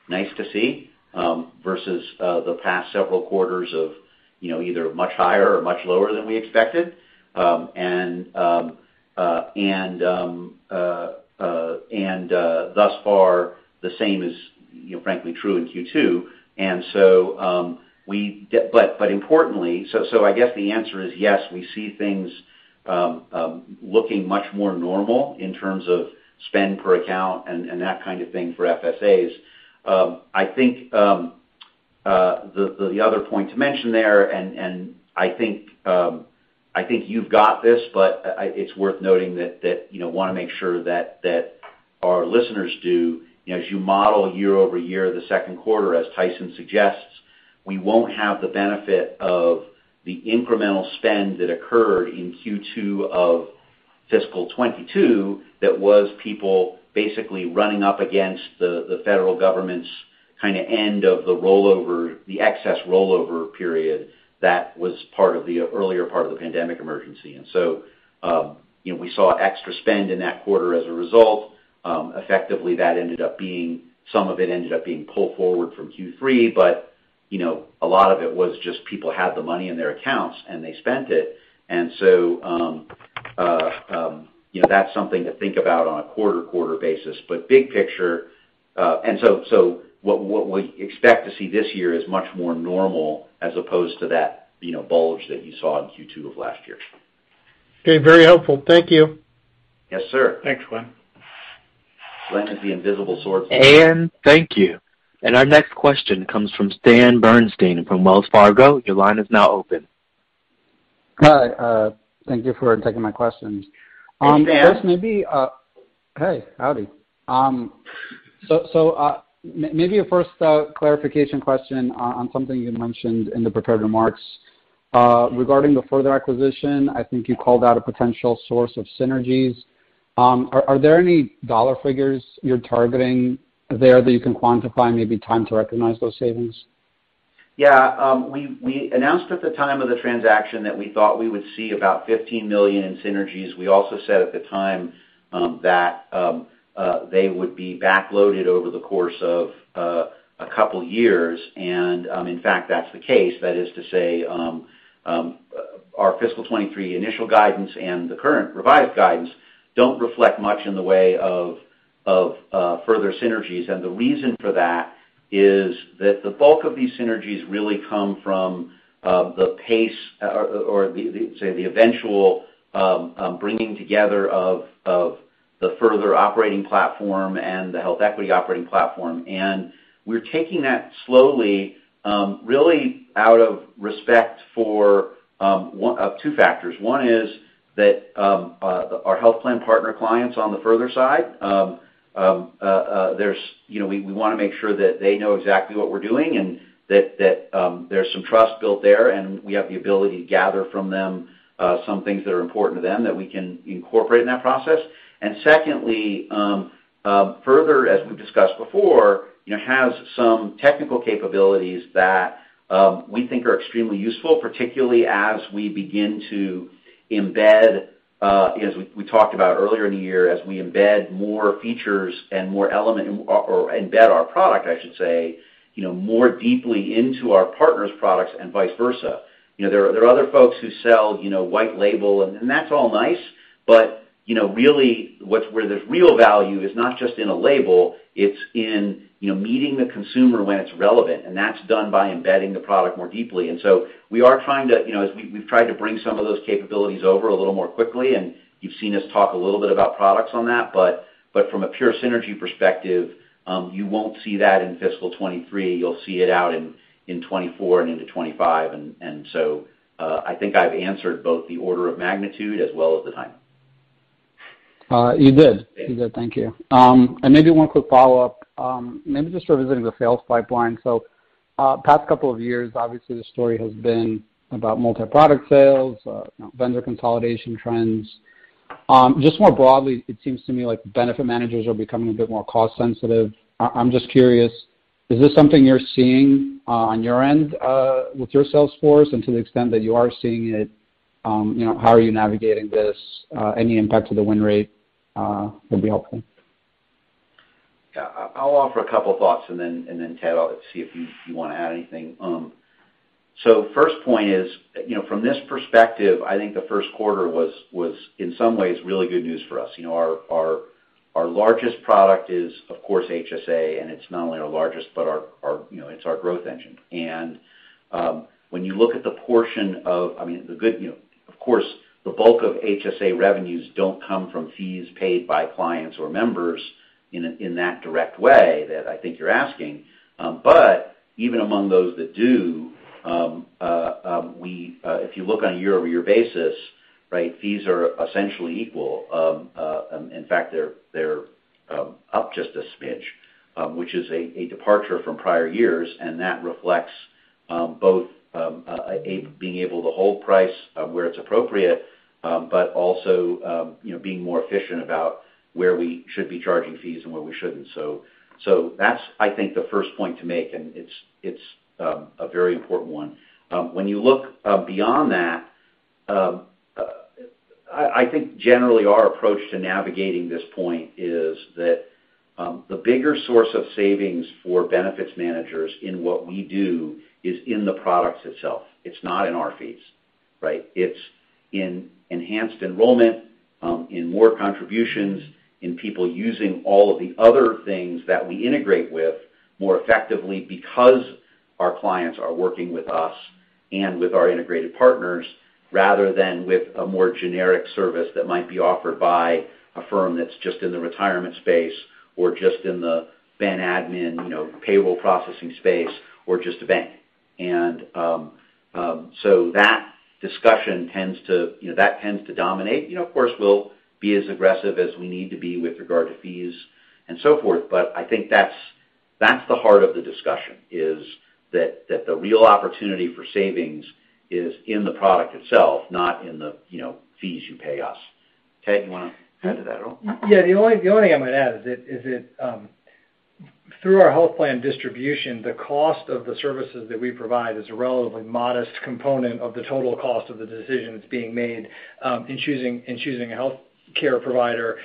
nice to see, versus the past several quarters of, you know, either much higher or much lower than we expected. Thus far, the same is, you know, frankly true in Q2. Importantly, I guess the answer is yes, we see things looking much more normal in terms of spend per account and that kind of thing for FSAs. I think the other point to mention there, and I think you've got this, but it's worth noting that you know wanna make sure that our listeners do you know as you model year-over-year the second quarter as Tyson suggests we won't have the benefit of the incremental spend that occurred in Q2 of fiscal 2022 that was people basically running up against the federal government's kind of end of the rollover the excess rollover period that was part of the earlier part of the pandemic emergency. You know we saw extra spend in that quarter as a result. Effectively, that ended up being some of it pulled forward from Q3. You know, a lot of it was just people had the money in their accounts, and they spent it. You know, that's something to think about on a quarter-to-quarter basis. Big picture, so what we expect to see this year is much more normal as opposed to that, you know, bulge that you saw in Q2 of last year. Okay. Very helpful. Thank you. Yes, sir. Thanks, Gl. Glen is the invisible sorts. Thank you. Our next question comes from Stan Berenshteyn from Wells Fargo. Your line is now open. Hi. Thank you for taking my questions. Hey, Stan. Maybe first, a clarification question on something you mentioned in the prepared remarks regarding the Further acquisition. I think you called out a potential source of synergies. Are there any dollar figures you're targeting there that you can quantify, maybe time to recognize those savings? Yeah. We announced at the time of the transaction that we thought we would see about $15 million in synergies. We also said at the time that they would be backloaded over the course of a couple years. In fact, that's the case, that is to say, our fiscal 2023 initial guidance and the current revised guidance don't reflect much in the way of Further synergies. The reason for that is that the bulk of these synergies really come from the pace or the eventual bringing together of the Further operating platform and the HealthEquity operating platform. We're taking that slowly, really out of respect for two factors. One is that our health plan partner clients on the Further side, there's, you know, we wanna make sure that they know exactly what we're doing, and that there's some trust built there, and we have the ability to gather from them some things that are important to them that we can incorporate in that process. Secondly, Further, as we've discussed before, you know, has some technical capabilities that we think are extremely useful, particularly as we begin to embed, as we talked about earlier in the year, as we embed more features and more element or embed our product, I should say, you know, more deeply into our partners' products and vice versa. You know, there are other folks who sell, you know, white label, and that's all nice. You know, really, where the real value is not just in a label, it's in, you know, meeting the consumer when it's relevant, and that's done by embedding the product more deeply. We are trying to, you know, as we've tried to bring some of those capabilities over a little more quickly, and you've seen us talk a little bit about products on that. From a pure synergy perspective, you won't see that in fiscal 2023. You'll see it out in 2024 and into 2025. I think I've answered both the order of magnitude as well as the time. You did. Thank you. Maybe one quick follow-up, maybe just revisiting the sales pipeline. Past couple of years, obviously, the story has been about multi-product sales, you know, vendor consolidation trends. Just more broadly, it seems to me like benefit managers are becoming a bit more cost sensitive. I'm just curious, is this something you're seeing, on your end, with your sales force? To the extent that you are seeing it, you know, how are you navigating this? Any impact to the win rate would be helpful. Yeah. I'll offer a couple thoughts, and then, Ted, I'll see if you wanna add anything. First point is, you know, from this perspective, I think the first quarter was, in some ways, really good news for us. You know, our largest product is, of course, HSA, and it's not only our largest, but our, you know, it's our growth engine. When you look at the portion of, I mean, the good, you know, of course, the bulk of HSA revenues don't come from fees paid by clients or members in that direct way that I think you're asking. But even among those that do, if you look on a year-over-year basis, right? Fees are essentially equal. In fact, they're up just a smidge, which is a departure from prior years, and that reflects both being able to hold price where it's appropriate, but also, you know, being more efficient about where we should be charging fees and where we shouldn't. That's, I think, the first point to make, and it's a very important one. When you look beyond that, I think generally our approach to navigating this point is that the bigger source of savings for benefits managers in what we do is in the products itself. It's not in our fees, right? It's in enhanced enrollment, in more contributions, in people using all of the other things that we integrate with more effectively because our clients are working with us and with our integrated partners, rather than with a more generic service that might be offered by a firm that's just in the retirement space or just in the benefits admin, you know, payroll processing space or just a bank. That discussion tends to, you know, that tends to dominate. You know, of course, we'll be as aggressive as we need to be with regard to fees and so forth, but I think that's the heart of the discussion, is that the real opportunity for savings is in the product itself, not in the, you know, fees you pay us. Ted, you wanna add to that at all? Yeah. The only thing I might add is that through our health plan distribution, the cost of the services that we provide is a relatively modest component of the total cost of the decision that's being made in choosing a healthcare provider.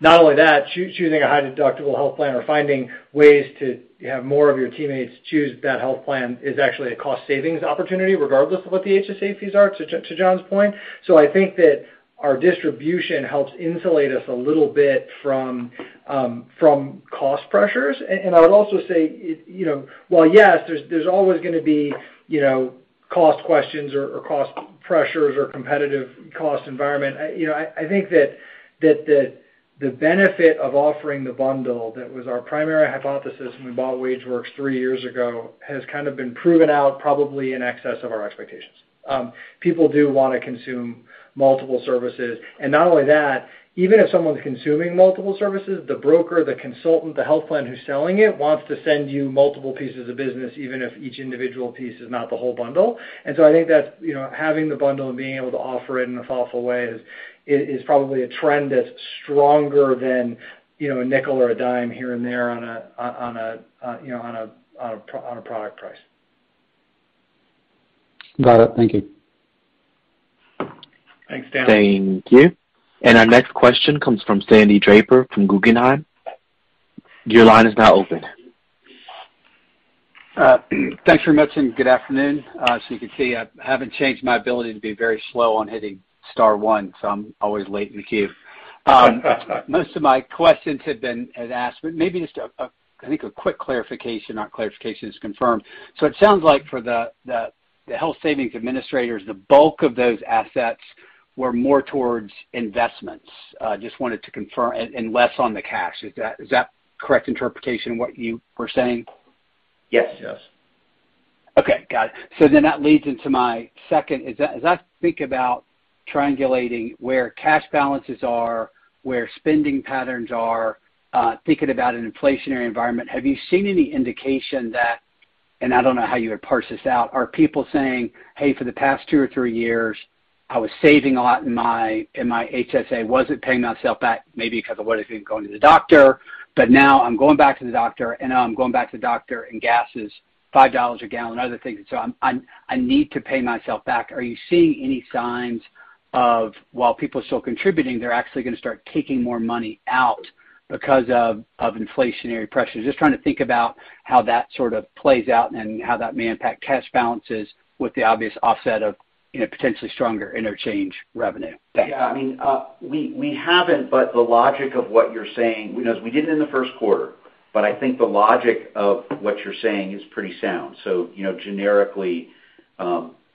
Not only that, choosing a high deductible health plan or finding ways to have more of your teammates choose that health plan is actually a cost savings opportunity, regardless of what the HSA fees are, to Jon's point. I think that our distribution helps insulate us a little bit from cost pressures. I would also say it, you know, while, yes, there's always gonna be, you know, cost questions or cost pressures or competitive cost environment, you know, I think that that the The benefit of offering the bundle that was our primary hypothesis when we bought WageWorks three years ago has kind of been proven out probably in excess of our expectations. People do want to consume multiple services. Not only that, even if someone's consuming multiple services, the broker, the consultant, the health plan who's selling it wants to send you multiple pieces of business, even if each individual piece is not the whole bundle. I think that's, you know, having the bundle and being able to offer it in a thoughtful way is probably a trend that's stronger than, you know, a nickel or a dime here and there on a product price. Got it. Thank you. Thanks, Stanley. Thank you. Our next question comes from Sandy Draper from Guggenheim. Your line is now open. Thanks very much, and good afternoon. As you can see, I haven't changed my ability to be very slow on hitting star one, so I'm always late in the queue. Most of my questions had been asked, but maybe just a quick clarification. Not clarification. It's confirmed. It sounds like for the Health Savings Administrators, the bulk of those assets were more towards investments. Just wanted to confirm and less on the cash. Is that correct interpretation what you were saying? Yes. Okay. Got it. That leads into my second. As I think about triangulating where cash balances are, where spending patterns are, thinking about an inflationary environment, have you seen any indication that, and I don't know how you would parse this out, are people saying, "Hey, for the past two or three years, I was saving a lot in my HSA, wasn't paying myself back, maybe 'cause of what if I'm going to the doctor. But now I'm going back to the doctor, and gas is $5 a gallon, other things. So I need to pay myself back." Are you seeing any signs of while people are still contributing, they're actually gonna start taking more money out because of inflationary pressures? Just trying to think about how that sort of plays out and how that may impact cash balances with the obvious offset of, you know, potentially stronger interchange revenue. Yeah. I mean, we haven't, but the logic of what you're saying, you know, we didn't in the first quarter, but I think the logic of what you're saying is pretty sound. You know, generically, the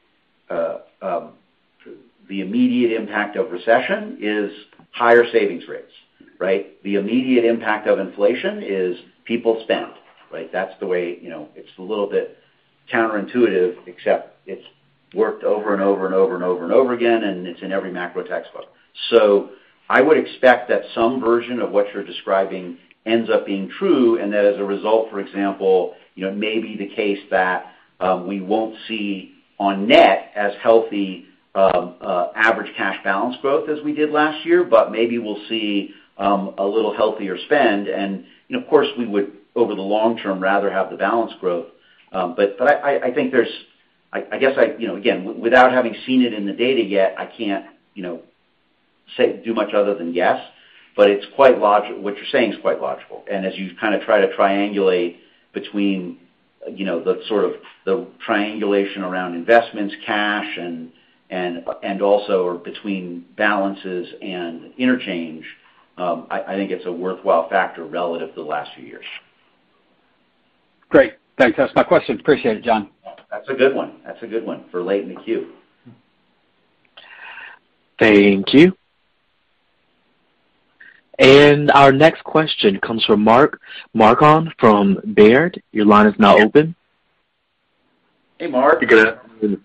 immediate impact of recession is higher savings rates, right? The immediate impact of inflation is people spend, right? That's the way, you know, it's a little bit counterintuitive except it's worked over and over and over and over and over again, and it's in every macro textbook. I would expect that some version of what you're describing ends up being true, and that as a result, for example, you know, may be the case that we won't see on net as healthy average cash balance growth as we did last year, but maybe we'll see a little healthier spend. You know, of course, we would, over the long term, rather have the balance growth. But I think there's. I guess I, you know, again, without having seen it in the data yet, I can't, you know, say do much other than guess, but what you're saying is quite logical. As you kind of try to triangulate between, you know, the sort of the triangulation around investments, cash, and also between balances and interchange, I think it's a worthwhile factor relative to the last few years. Great. Thanks. That's my question. Appreciate it, Jon. That's a good one. That's a good one for late in the queue. Thank you. Our next question comes from Mark Marcon from Baird. Your line is now open. Hey, Mark. Good. Good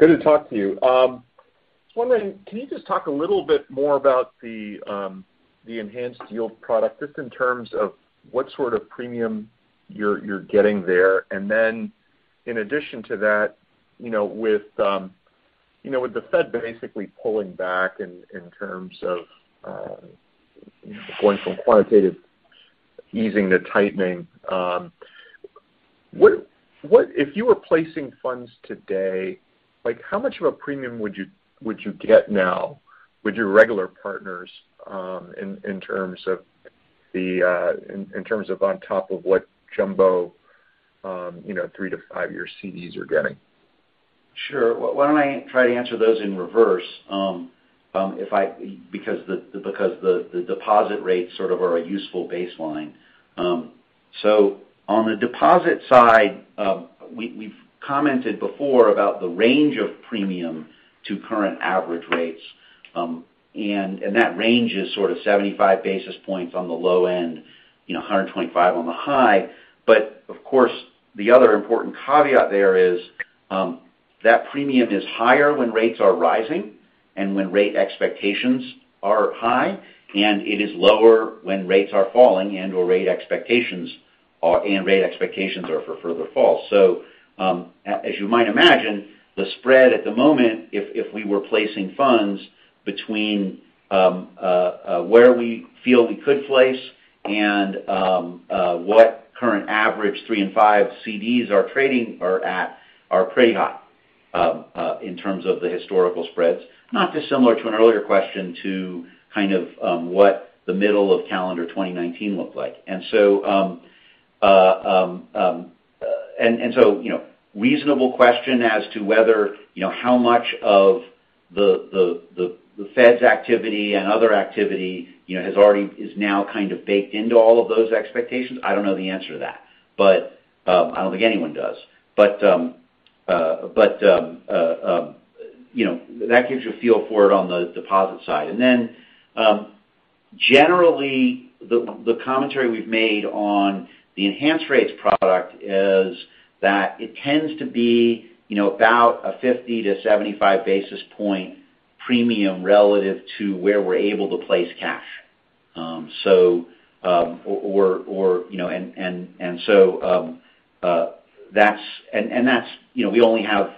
to talk to you. Just wondering, can you just talk a little bit more about the enhanced yield product, just in terms of what sort of premium you're getting there. In addition to that, you know, with the Fed basically pulling back in terms of going from quantitative easing to tightening, what if you were placing funds today, like, how much of a premium would you get now with your regular partners, in terms of on top of what jumbo three to five year CDs are getting? Sure. Well, why don't I try to answer those in reverse. Because the deposit rates sort of are a useful baseline. So on the deposit side, we've commented before about the range of premium to current average rates. And that range is sort of 75 basis points on the low end, you know, 125 on the high. But of course, the other important caveat there is that premium is higher when rates are rising and when rate expectations are high, and it is lower when rates are falling and/or rate expectations are for Further falls. As you might imagine, the spread at the moment if we were placing funds between where we feel we could place and what current average three and five CDs are trading or at are pretty high in terms of the historical spread. Not dissimilar to an earlier question to kind of what the middle of calendar 2019 looked like. You know, reasonable question as to whether you know how much of the Fed's activity and other activity you know is now kind of baked into all of those expectations, I don't know the answer to that. I don't think anyone does. You know, that gives you a feel for it on the deposit side. Generally, the commentary we've made on the Enhanced Rates product is that it tends to be, you know, about a 50-75 basis point premium relative to where we're able to place cash. That's, you know, we only have,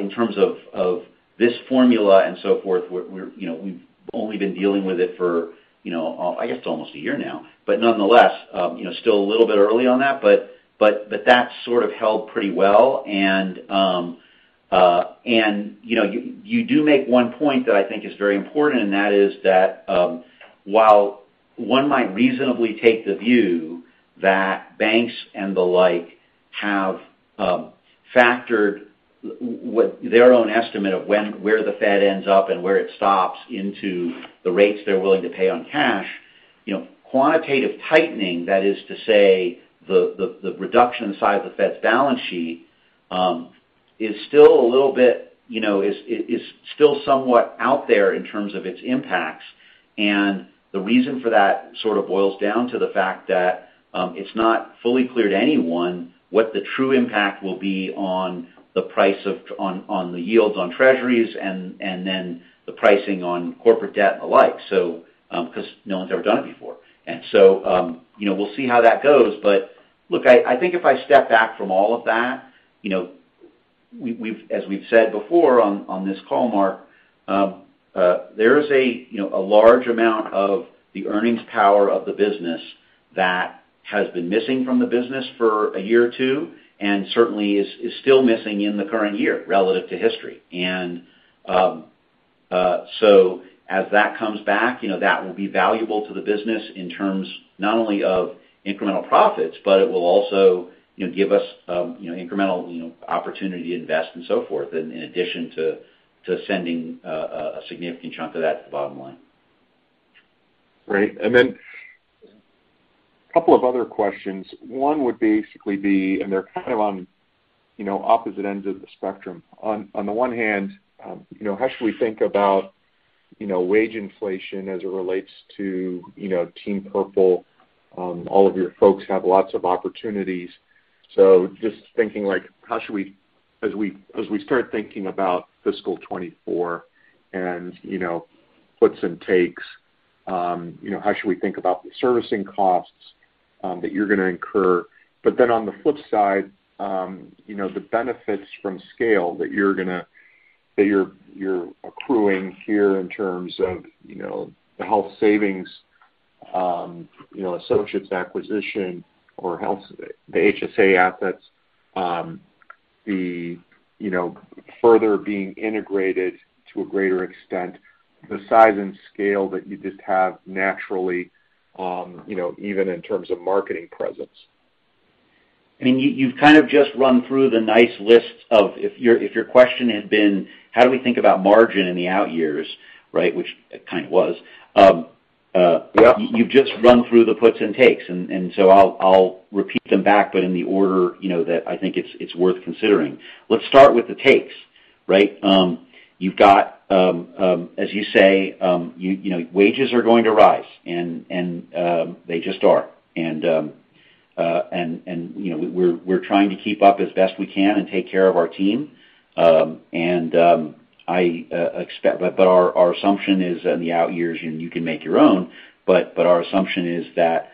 in terms of this formula and so forth, we're, you know, we've only been dealing with it for, you know, I guess, almost a year now. Nonetheless, you know, still a little bit early on that's sort of held pretty well. You know, you do make one point that I think is very important, and that is that while one might reasonably take the view that banks and the like have factored with their own estimate of where the Fed ends up and where it stops into the rates they're willing to pay on cash, you know, quantitative tightening, that is to say, the reduction side of the Fed's balance sheet is still a little bit, you know, somewhat out there in terms of its impacts. The reason for that sort of boils down to the fact that it's not fully clear to anyone what the true impact will be on the yields on Treasuries and then the pricing on corporate debt and the like, so 'cause no one's ever done it before. You know, we'll see how that goes. Look, I think if I step back from all of that, you know, as we've said before on this call, Mark, there is a large amount of the earnings power of the business that has been missing from the business for a year or two, and certainly is still missing in the current year relative to history. As that comes back, you know, that will be valuable to the business in terms not only of incremental profits, but it will also, you know, give us, you know, incremental opportunity to invest and so forth in addition to sending a significant chunk of that to the bottom line. Great. Then a couple of other questions. One would basically be, and they're kind of on, you know, opposite ends of the spectrum. On the one hand, you know, how should we think about, you know, wage inflation as it relates to, you know, Team Purple? All of your folks have lots of opportunities. So just thinking like, how should we as we start thinking about fiscal 2024 and, you know, puts and takes, you know, how should we think about the servicing costs that you're gonna incur? On the flip side, you know, the benefits from scale that you're accruing here in terms of, you know, the Health Savings Administrators acquisition, the HSA assets, you know, Further being integrated to a greater extent, the size and scale that you just have naturally, you know, even in terms of marketing presence. I mean, you've kind of just run through the nice list of if your question had been, how do we think about margin in the out years, right? Which it kind of was? Yep. You've just run through the puts and takes, and so I'll repeat them back, but in the order, you know, that I think it's worth considering. Let's start with the takes, right? You've got, as you say, you know, wages are going to rise and they just are. You know, we're trying to keep up as best we can and take care of our team. Our assumption is in the out years, and you can make your own, but our assumption is that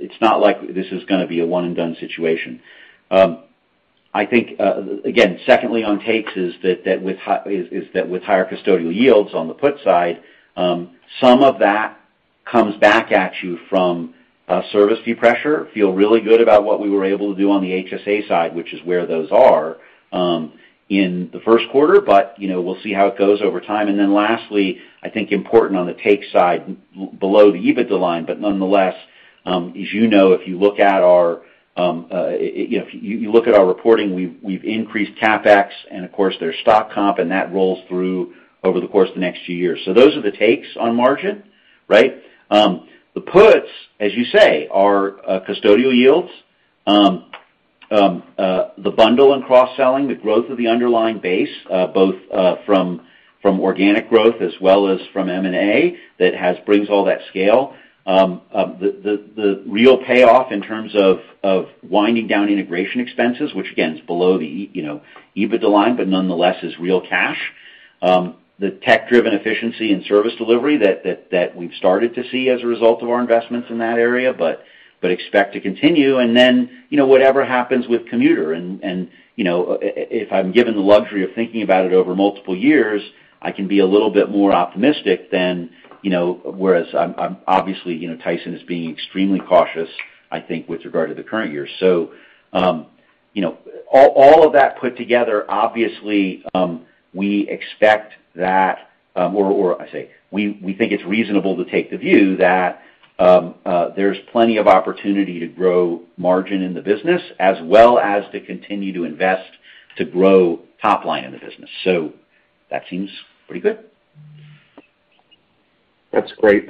it's not like this is gonna be a one-and-done situation. I think, again, secondly on takes is that with high. Is that with higher custodial yields on the put side, some of that comes back at you from service fee pressure. Feel really good about what we were able to do on the HSA side, which is where those are in the first quarter. You know, we'll see how it goes over time. Then lastly, I think important on the take side below the EBITDA line, but nonetheless, as you know, if you look at our reporting, we've increased CapEx and of course their stock comp, and that rolls through over the course of the next few years. Those are the takes on margin, right? The puts, as you say, are custodial yields. The bundle and cross-selling, the growth of the underlying base, both from organic growth as well as from M&A that has brings all that scale. The real payoff in terms of winding down integration expenses, which again is below the EBITDA line, but nonetheless is real cash. The tech-driven efficiency and service delivery that we've started to see as a result of our investments in that area, but expect to continue. Then, you know, whatever happens with commuter and, you know, if I'm given the luxury of thinking about it over multiple years, I can be a little bit more optimistic than, you know, whereas I'm obviously, you know, Tyson is being extremely cautious, I think, with regard to the current year. You know, all of that put together, obviously, we think it's reasonable to take the view that there's plenty of opportunity to grow margin in the business, as well as to continue to invest to grow top line in the business. That seems pretty good. That's great.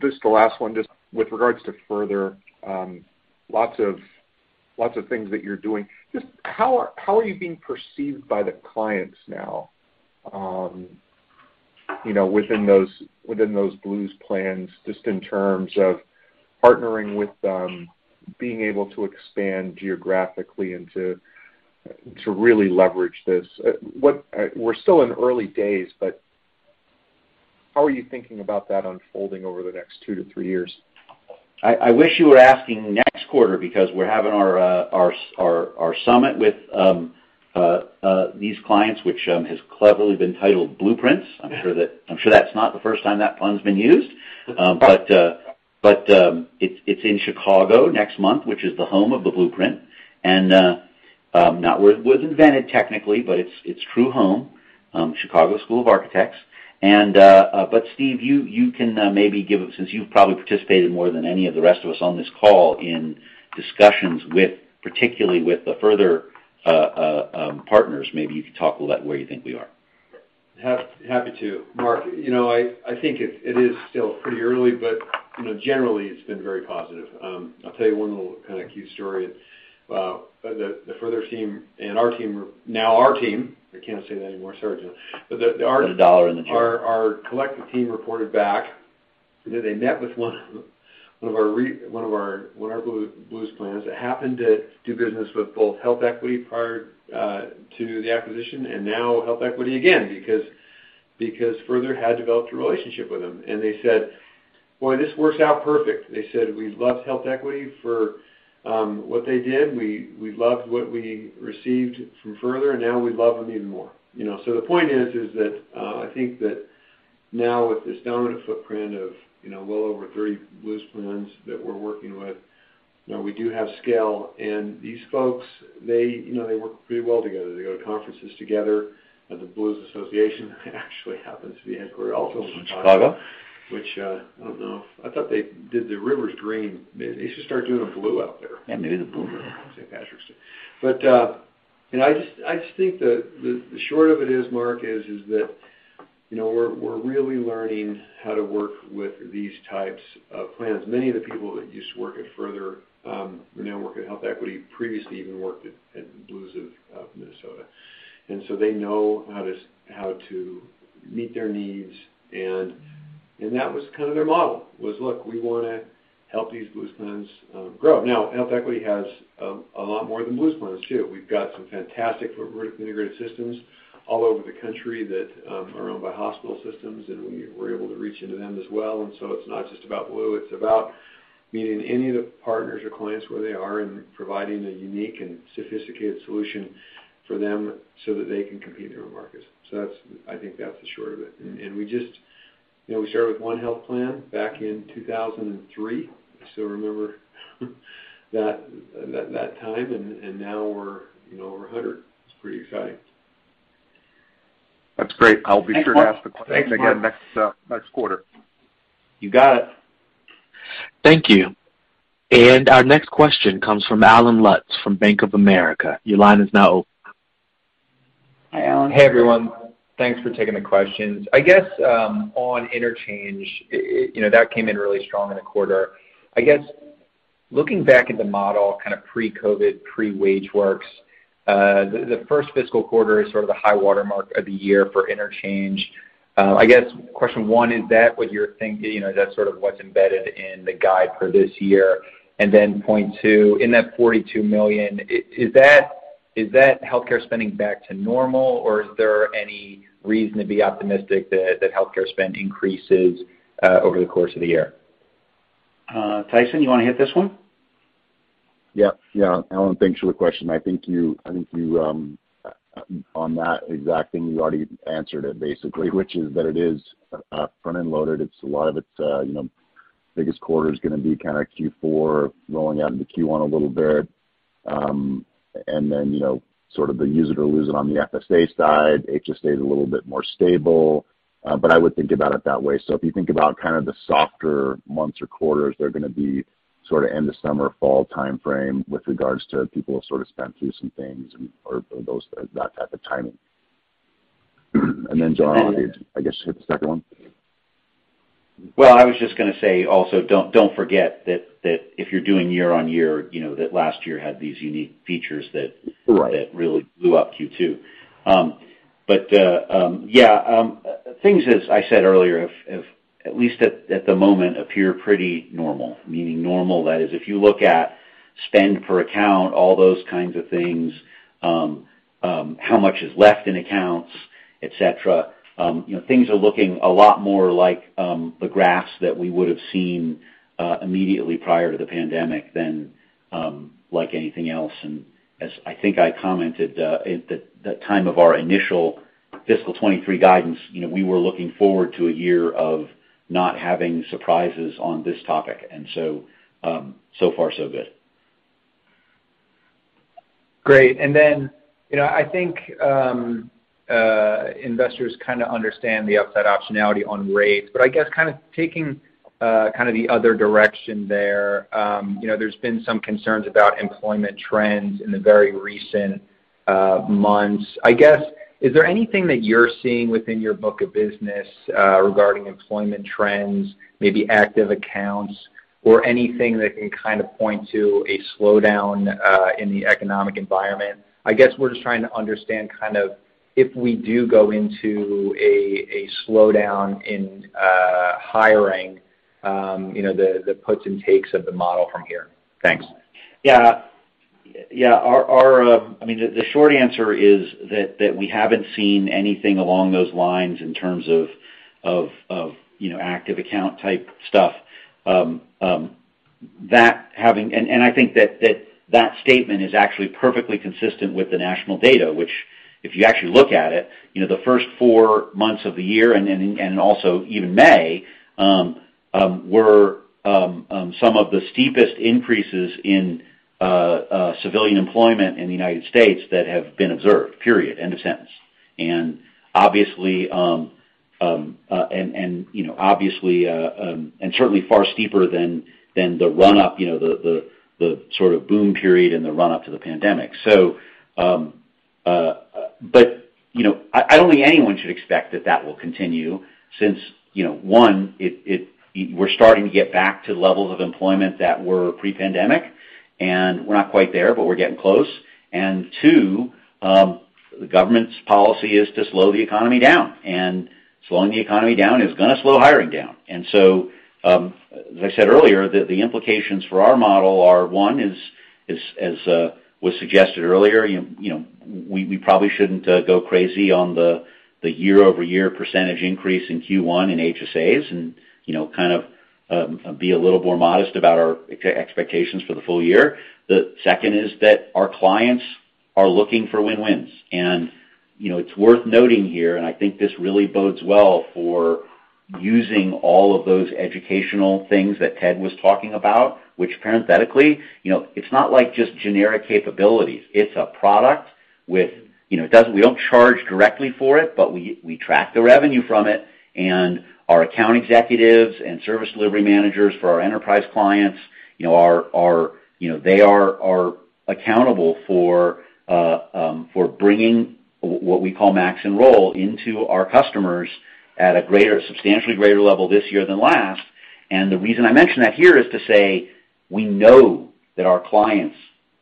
Just the last one, just with regards to Further, lots of things that you're doing. Just how are you being perceived by the clients now, you know, within those Blues plans, just in terms of partnering with them, being able to expand geographically and to really leverage this? We're still in early days, but how are you thinking about that unfolding over the next two to three years? I wish you were asking next quarter because we're having our summit with these clients, which has cleverly been titled Blueprints. I'm sure that's not the first time that pun's been used. It's in Chicago next month, which is the home of the blueprint, and not where it was invented technically, but it's true home, Chicago School of Architecture. Steve, you can maybe give. Since you've probably participated more than any of the rest of us on this call in discussions with, particularly with the Further partners, maybe you could talk a little where you think we are. Happy to. Mark, you know, I think it is still pretty early, but, you know, generally, it's been very positive. I'll tell you one little kind of cute story. The Further team and our team are now our team, I can't say that anymore, sorry, Jon. Put $1 in the jar. But the our collective team reported back. You know, they met with one of our Blues plans that happened to do business with both HealthEquity prior to the acquisition, and now HealthEquity again because Further had developed a relationship with them. They said, "Boy, this works out perfect." They said, "We loved HealthEquity for what they did. We loved what we received from Further, and now we love them even more." You know, so the point is that I think that now with this dominant footprint of, you know, well over 30 Blues plans that we're working with, you know, we do have scale. These folks, they, you know, they work pretty well together. They go to conferences together at the Blue Cross Blue Shield Association, actually happens to be headquartered also in Chicago. Chicago. Which, I don't know. I thought they did the rivers green. Maybe they should start doing them blue out there. Yeah, maybe the blue river. I just think the short of it is, Mark, is that, you know, we're really learning how to work with these types of plans. Many of the people that used to work at Further now work at HealthEquity. Previously even worked at Blues of Minnesota. They know how to meet their needs, and that was kind of their model. Look, we want to help these Blues plans grow. Now, HealthEquity has a lot more than Blues plans too. We've got some fantastic vertically integrated systems all over the country that are owned by hospital systems, and we're able to reach into them as well. It's not just about Blue, it's about meeting any of the partners or clients where they are and providing a unique and sophisticated solution for them so that they can compete in their markets. That's the short of it, I think. We just, you know, we started with one health plan back in 2003. I still remember that time, and now we're, you know, over 100. It's pretty exciting. That's great. I'll be sure to ask the question again next quarter. You got it. Thank you. Our next question comes from Allen Lutz from Bank of America. Your line is now open. Hi, Allen. Hey, everyone. Thanks for taking the questions. I guess, on interchange, you know, that came in really strong in the quarter. I guess looking back at the model kind of pre-COVID, pre-WageWorks, the first fiscal quarter is sort of the high-water mark of the year for interchange. I guess question one, is that what you're you know, that's sort of what's embedded in the guide for this year? Then point two, in that $42 million, is that healthcare spending back to normal, or is there any reason to be optimistic that healthcare spend increases over the course of the year? Tyson, you wanna hit this one? Yeah. Yeah. Alan, thanks for the question. I think you on that exact thing, you already answered it basically, which is that it is front-end loaded. It's a lot of it is, you know, biggest quarter's gonna be kinda Q4 rolling out into Q1 a little bit. Then, you know, sort of the use it or lose it on the FSA side. HSA is a little bit more stable, but I would think about it that way. If you think about kind of the softer months or quarters, they're gonna be sort of end of summer, fall timeframe with regards to people sort of spent through some things and or those that type of timing. Then, John, I guess hit the second one. Well, I was just gonna say also don't forget that if you're doing year-over-year, you know, that last year had these unique features that really blew up Q2. Things as I said earlier have at least at the moment appear pretty normal. Meaning normal, that is, if you look at spend per account, all those kinds of things, how much is left in accounts, etc., you know, things are looking a lot more like the graphs that we would've seen immediately prior to the pandemic than like anything else. As I think I commented at the time of our initial fiscal 2023 guidance, you know, we were looking forward to a year of not having surprises on this topic. So far so good. Great. You know, I think investors kinda understand the upside optionality on rates, but I guess kind of taking kind of the other direction there, you know, there's been some concerns about employment trends in the very recent months. I guess, is there anything that you're seeing within your book of business regarding employment trends, maybe active accounts or anything that can kind of point to a slowdown in the economic environment? I guess we're just trying to understand kind of if we do go into a slowdown in hiring, you know, the puts and takes of the model from here. Thanks. I mean, the short answer is that we haven't seen anything along those lines in terms of, you know, active account type stuff. I think that statement is actually perfectly consistent with the national data, which if you actually look at it, you know, the first four months of the year and then also even May were some of the steepest increases in civilian employment in the United States that have been observed, period, end of sentence. Obviously, you know, obviously and certainly far steeper than the run-up, you know, the sort of boom period and the run-up to the pandemic. I don't think anyone should expect that will continue since you know one we're starting to get back to levels of employment that were pre-pandemic, and we're not quite there, but we're getting close. Two, the government's policy is to slow the economy down, and slowing the economy down is gonna slow hiring down. As I said earlier, the implications for our model are one as was suggested earlier you know we probably shouldn't go crazy on the year-over-year percentage increase in Q1 in HSAs and you know kind of be a little more modest about our expectations for the full year. The second is that our clients are looking for win-wins. You know, it's worth noting here, and I think this really bodes well for using all of those educational things that Ted was talking about, which parenthetically, you know, it's not like just generic capabilities. It's a product, you know. It doesn't. We don't charge directly for it, but we track the revenue from it. Our account executives and service delivery managers for our enterprise clients, you know, are accountable for bringing what we call max enroll into our customers at a greater, substantially greater level this year than last. The reason I mention that here is to say, we know that our clients,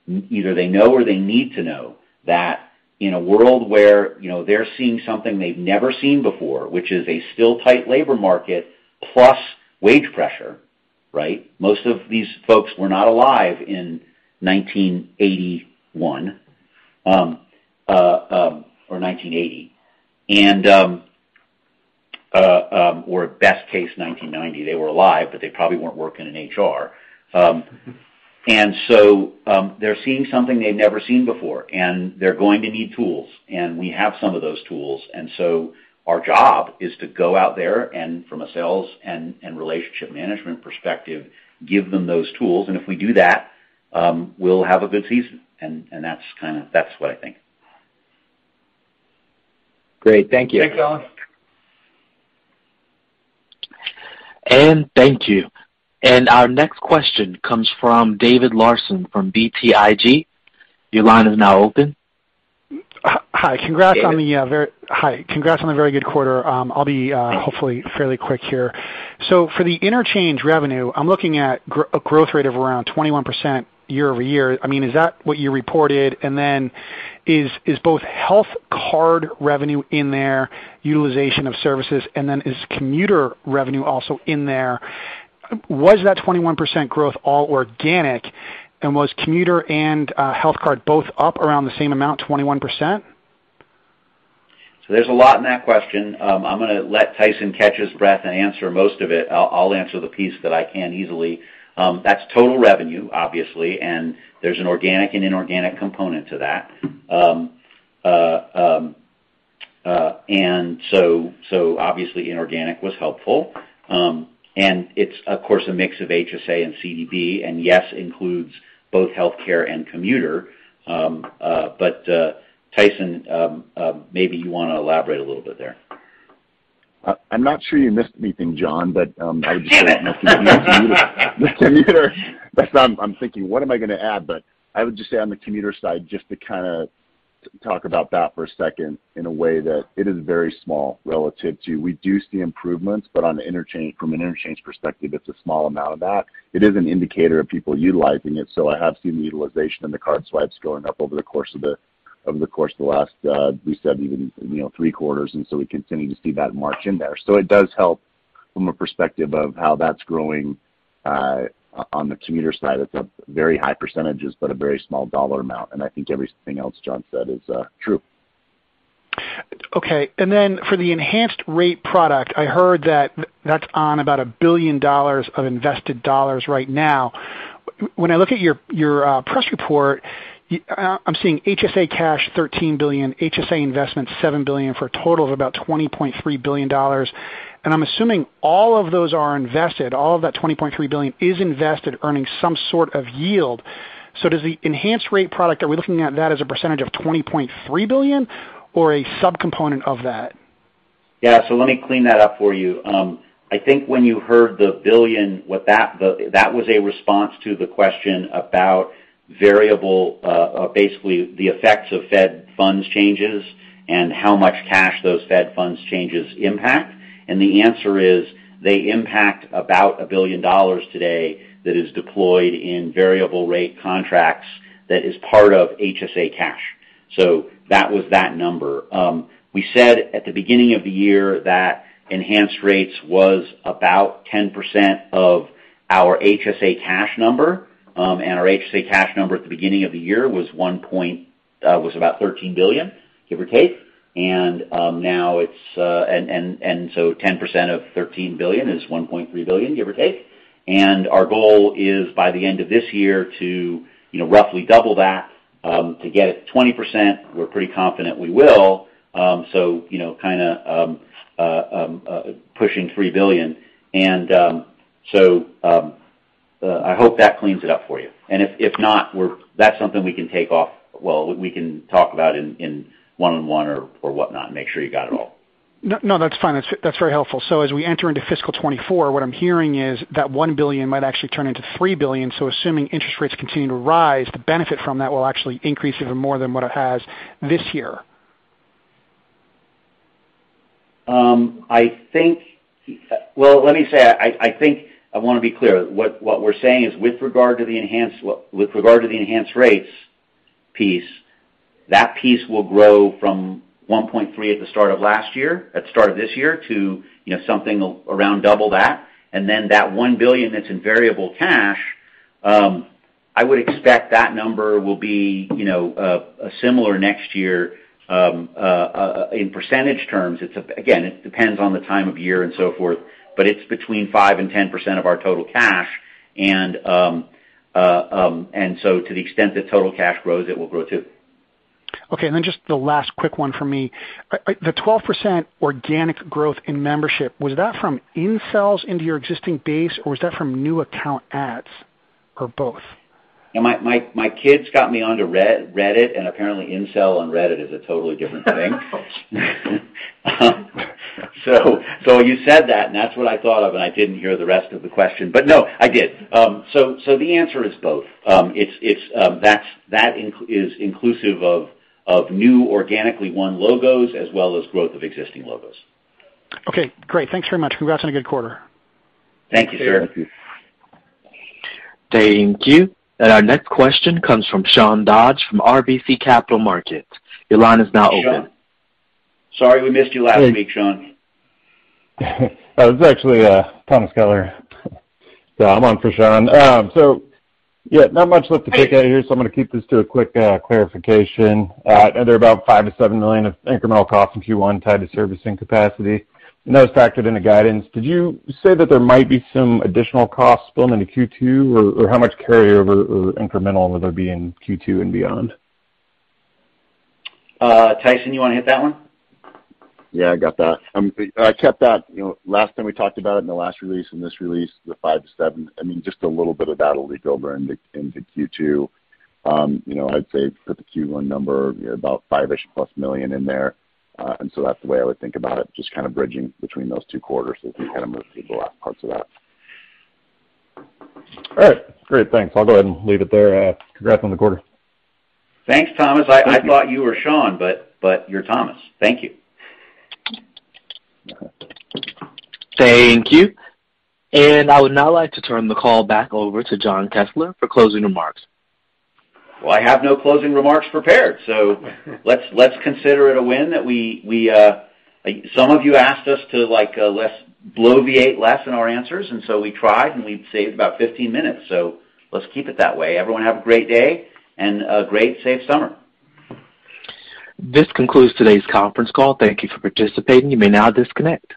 either they know or they need to know that in a world where, you know, they're seeing something they've never seen before, which is a still tight labor market plus wage pressure, right? Most of these folks were not alive in 1981, or 1980. Or best case, 1990, they were alive, but they probably weren't working in HR. They're seeing something they've never seen before, and they're going to need tools, and we have some of those tools. Our job is to go out there and from a sales and relationship management perspective, give them those tools. And if we do that, we'll have a good season. And that's kinda. That's what I think. Great. Thank you. Thanks, Allen. Thank you. Our next question comes from David Larsen from BTIG. Your line is now open. Hi. Hi. Congrats on the very good quarter. I'll be hopefully fairly quick here. For the interchange revenue, I'm looking at growth rate of around 21% year-over-year. I mean, is that what you reported? Then is both health card revenue in there, utilization of services, and is commuter revenue also in there? Was that 21% growth all organic, and was commuter and health card both up around the same amount, 21%? There's a lot in that question. I'm gonna let Tyson catch his breath and answer most of it. I'll answer the piece that I can easily. That's total revenue, obviously, and there's an organic and inorganic component to that. Obviously inorganic was helpful. It's of course a mix of HSA and CDB, and yes, includes both healthcare and commuter. Tyson, maybe you wanna elaborate a little bit there. I'm not sure you missed anything, Jon, but I would just say the commuter. That's why I'm thinking, "What am I gonna add?" I would just say on the commuter side, just to kinda talk about that for a second in a way that it is very small relative to. We do see improvements, but on the interchange, from an interchange perspective, it's a small amount of that. It is an indicator of people utilizing it, so I have seen the utilization and the card swipes going up over the course of the last, we said even, you know, three quarters, and so we continue to see that march in there. It does help from a perspective of how that's growing, on the commuter side. It's a very high percentages, but a very small dollar amount, and I think everything else Jon said is true. Okay. For the Enhanced Rates product, I heard that that's on about $1 billion of invested dollars right now. When I look at your press report, I'm seeing HSA cash $13 billion, HSA investment $7 billion for a total of about $20.3 billion. I'm assuming all of those are invested, all of that $20.3 billion is invested earning some sort of yield. Does the Enhanced Rates product, are we looking at that as a percentage of $20.3 billion or a subcomponent of that? Yeah. Let me clean that up for you. I think when you heard the billion, that was a response to the question about variable, basically the effects of Fed funds changes and how much cash those Fed funds changes impact. The answer is they impact about $1 billion today that is deployed in variable rate contracts that is part of HSA cash. That was that number. We said at the beginning of the year that Enhanced Rates was about 10% of our HSA cash number. Our HSA cash number at the beginning of the year was about $13 billion, give or take. 10% of $13 billion is $1.3 billion, give or take. Our goal is by the end of this year to, you know, roughly double that, to get it 20%. We're pretty confident we will. You know, kinda pushing $3 billion. I hope that cleans it up for you. If not, that's something we can take offline. Well, we can talk about in one-on-one or whatnot and make sure you got it all. No, no, that's fine. That's very helpful. As we enter into fiscal 2024, what I'm hearing is that $1 billion might actually turn into $3 billion. Assuming interest rates continue to rise, the benefit from that will actually increase even more than what it has this year. I think. Well, let me say, I think I wanna be clear. What we're saying is with regard to the Enhanced Rates piece, that piece will grow from $1.3 billion at start of this year to, you know, something around double that. Then that $1 billion that's in variable cash, I would expect that number will be, you know, similar next year, in percentage terms. Again, it depends on the time of year and so forth, but it's between 5%-10% of our total cash. To the extent the total cash grows, it will grow too. Okay. Just the last quick one for me. The 12% organic growth in membership, was that from inflows into your existing base, or was that from new account adds or both? My kids got me onto Reddit, and apparently incel on Reddit is a totally different thing. You said that, and that's what I thought of, and I didn't hear the rest of the question. No, I did. The answer is both. It's inclusive of new organically won logos as well as growth of existing logos. Okay, great. Thanks very much. Congrats on a good quarter. Thank you, sir. Thank you. Our next question comes from Sean Dodge from RBC Capital Markets. Your line is now open. Sean, sorry we missed you last week, Sean. It's actually, Thomas Kelliher. Yeah, I'm on for Sean. So yeah, not much left to take out here, so I'm gonna keep this to a quick clarification. There are about $5 million-$7 million of incremental costs in Q1 tied to servicing capacity, and that was factored into guidance. Did you say that there might be some additional costs spilled into Q2? Or how much carryover or incremental will there be in Q2 and beyond? Tyson, you wanna hit that one? Yeah, I got that. I kept that. You know, last time we talked about it in the last release, in this release, the $5 million-$7 million, I mean, just a little bit of that'll leak over into Q2. You know, I'd say put the Q1 number, you know, about $5 million+ in there. That's the way I would think about it, just kinda bridging between those two quarters as we kinda move people out parts of that. All right. Great. Thanks. I'll go ahead and leave it there. Congrats on the quarter. Thanks, Thomas. I thought you were Sean, but you're Thomas. Thank you. Thank you. I would now like to turn the call back over to Jon Kessler for closing remarks. Well, I have no closing remarks prepared, so let's consider it a win that we. Some of you asked us to, like, less bloviate less in our answers, and so we tried, and we've saved about 15 minutes, so let's keep it that way. Everyone have a great day and a great, safe summer. This concludes today's conference call. Thank you for participating. You may now disconnect.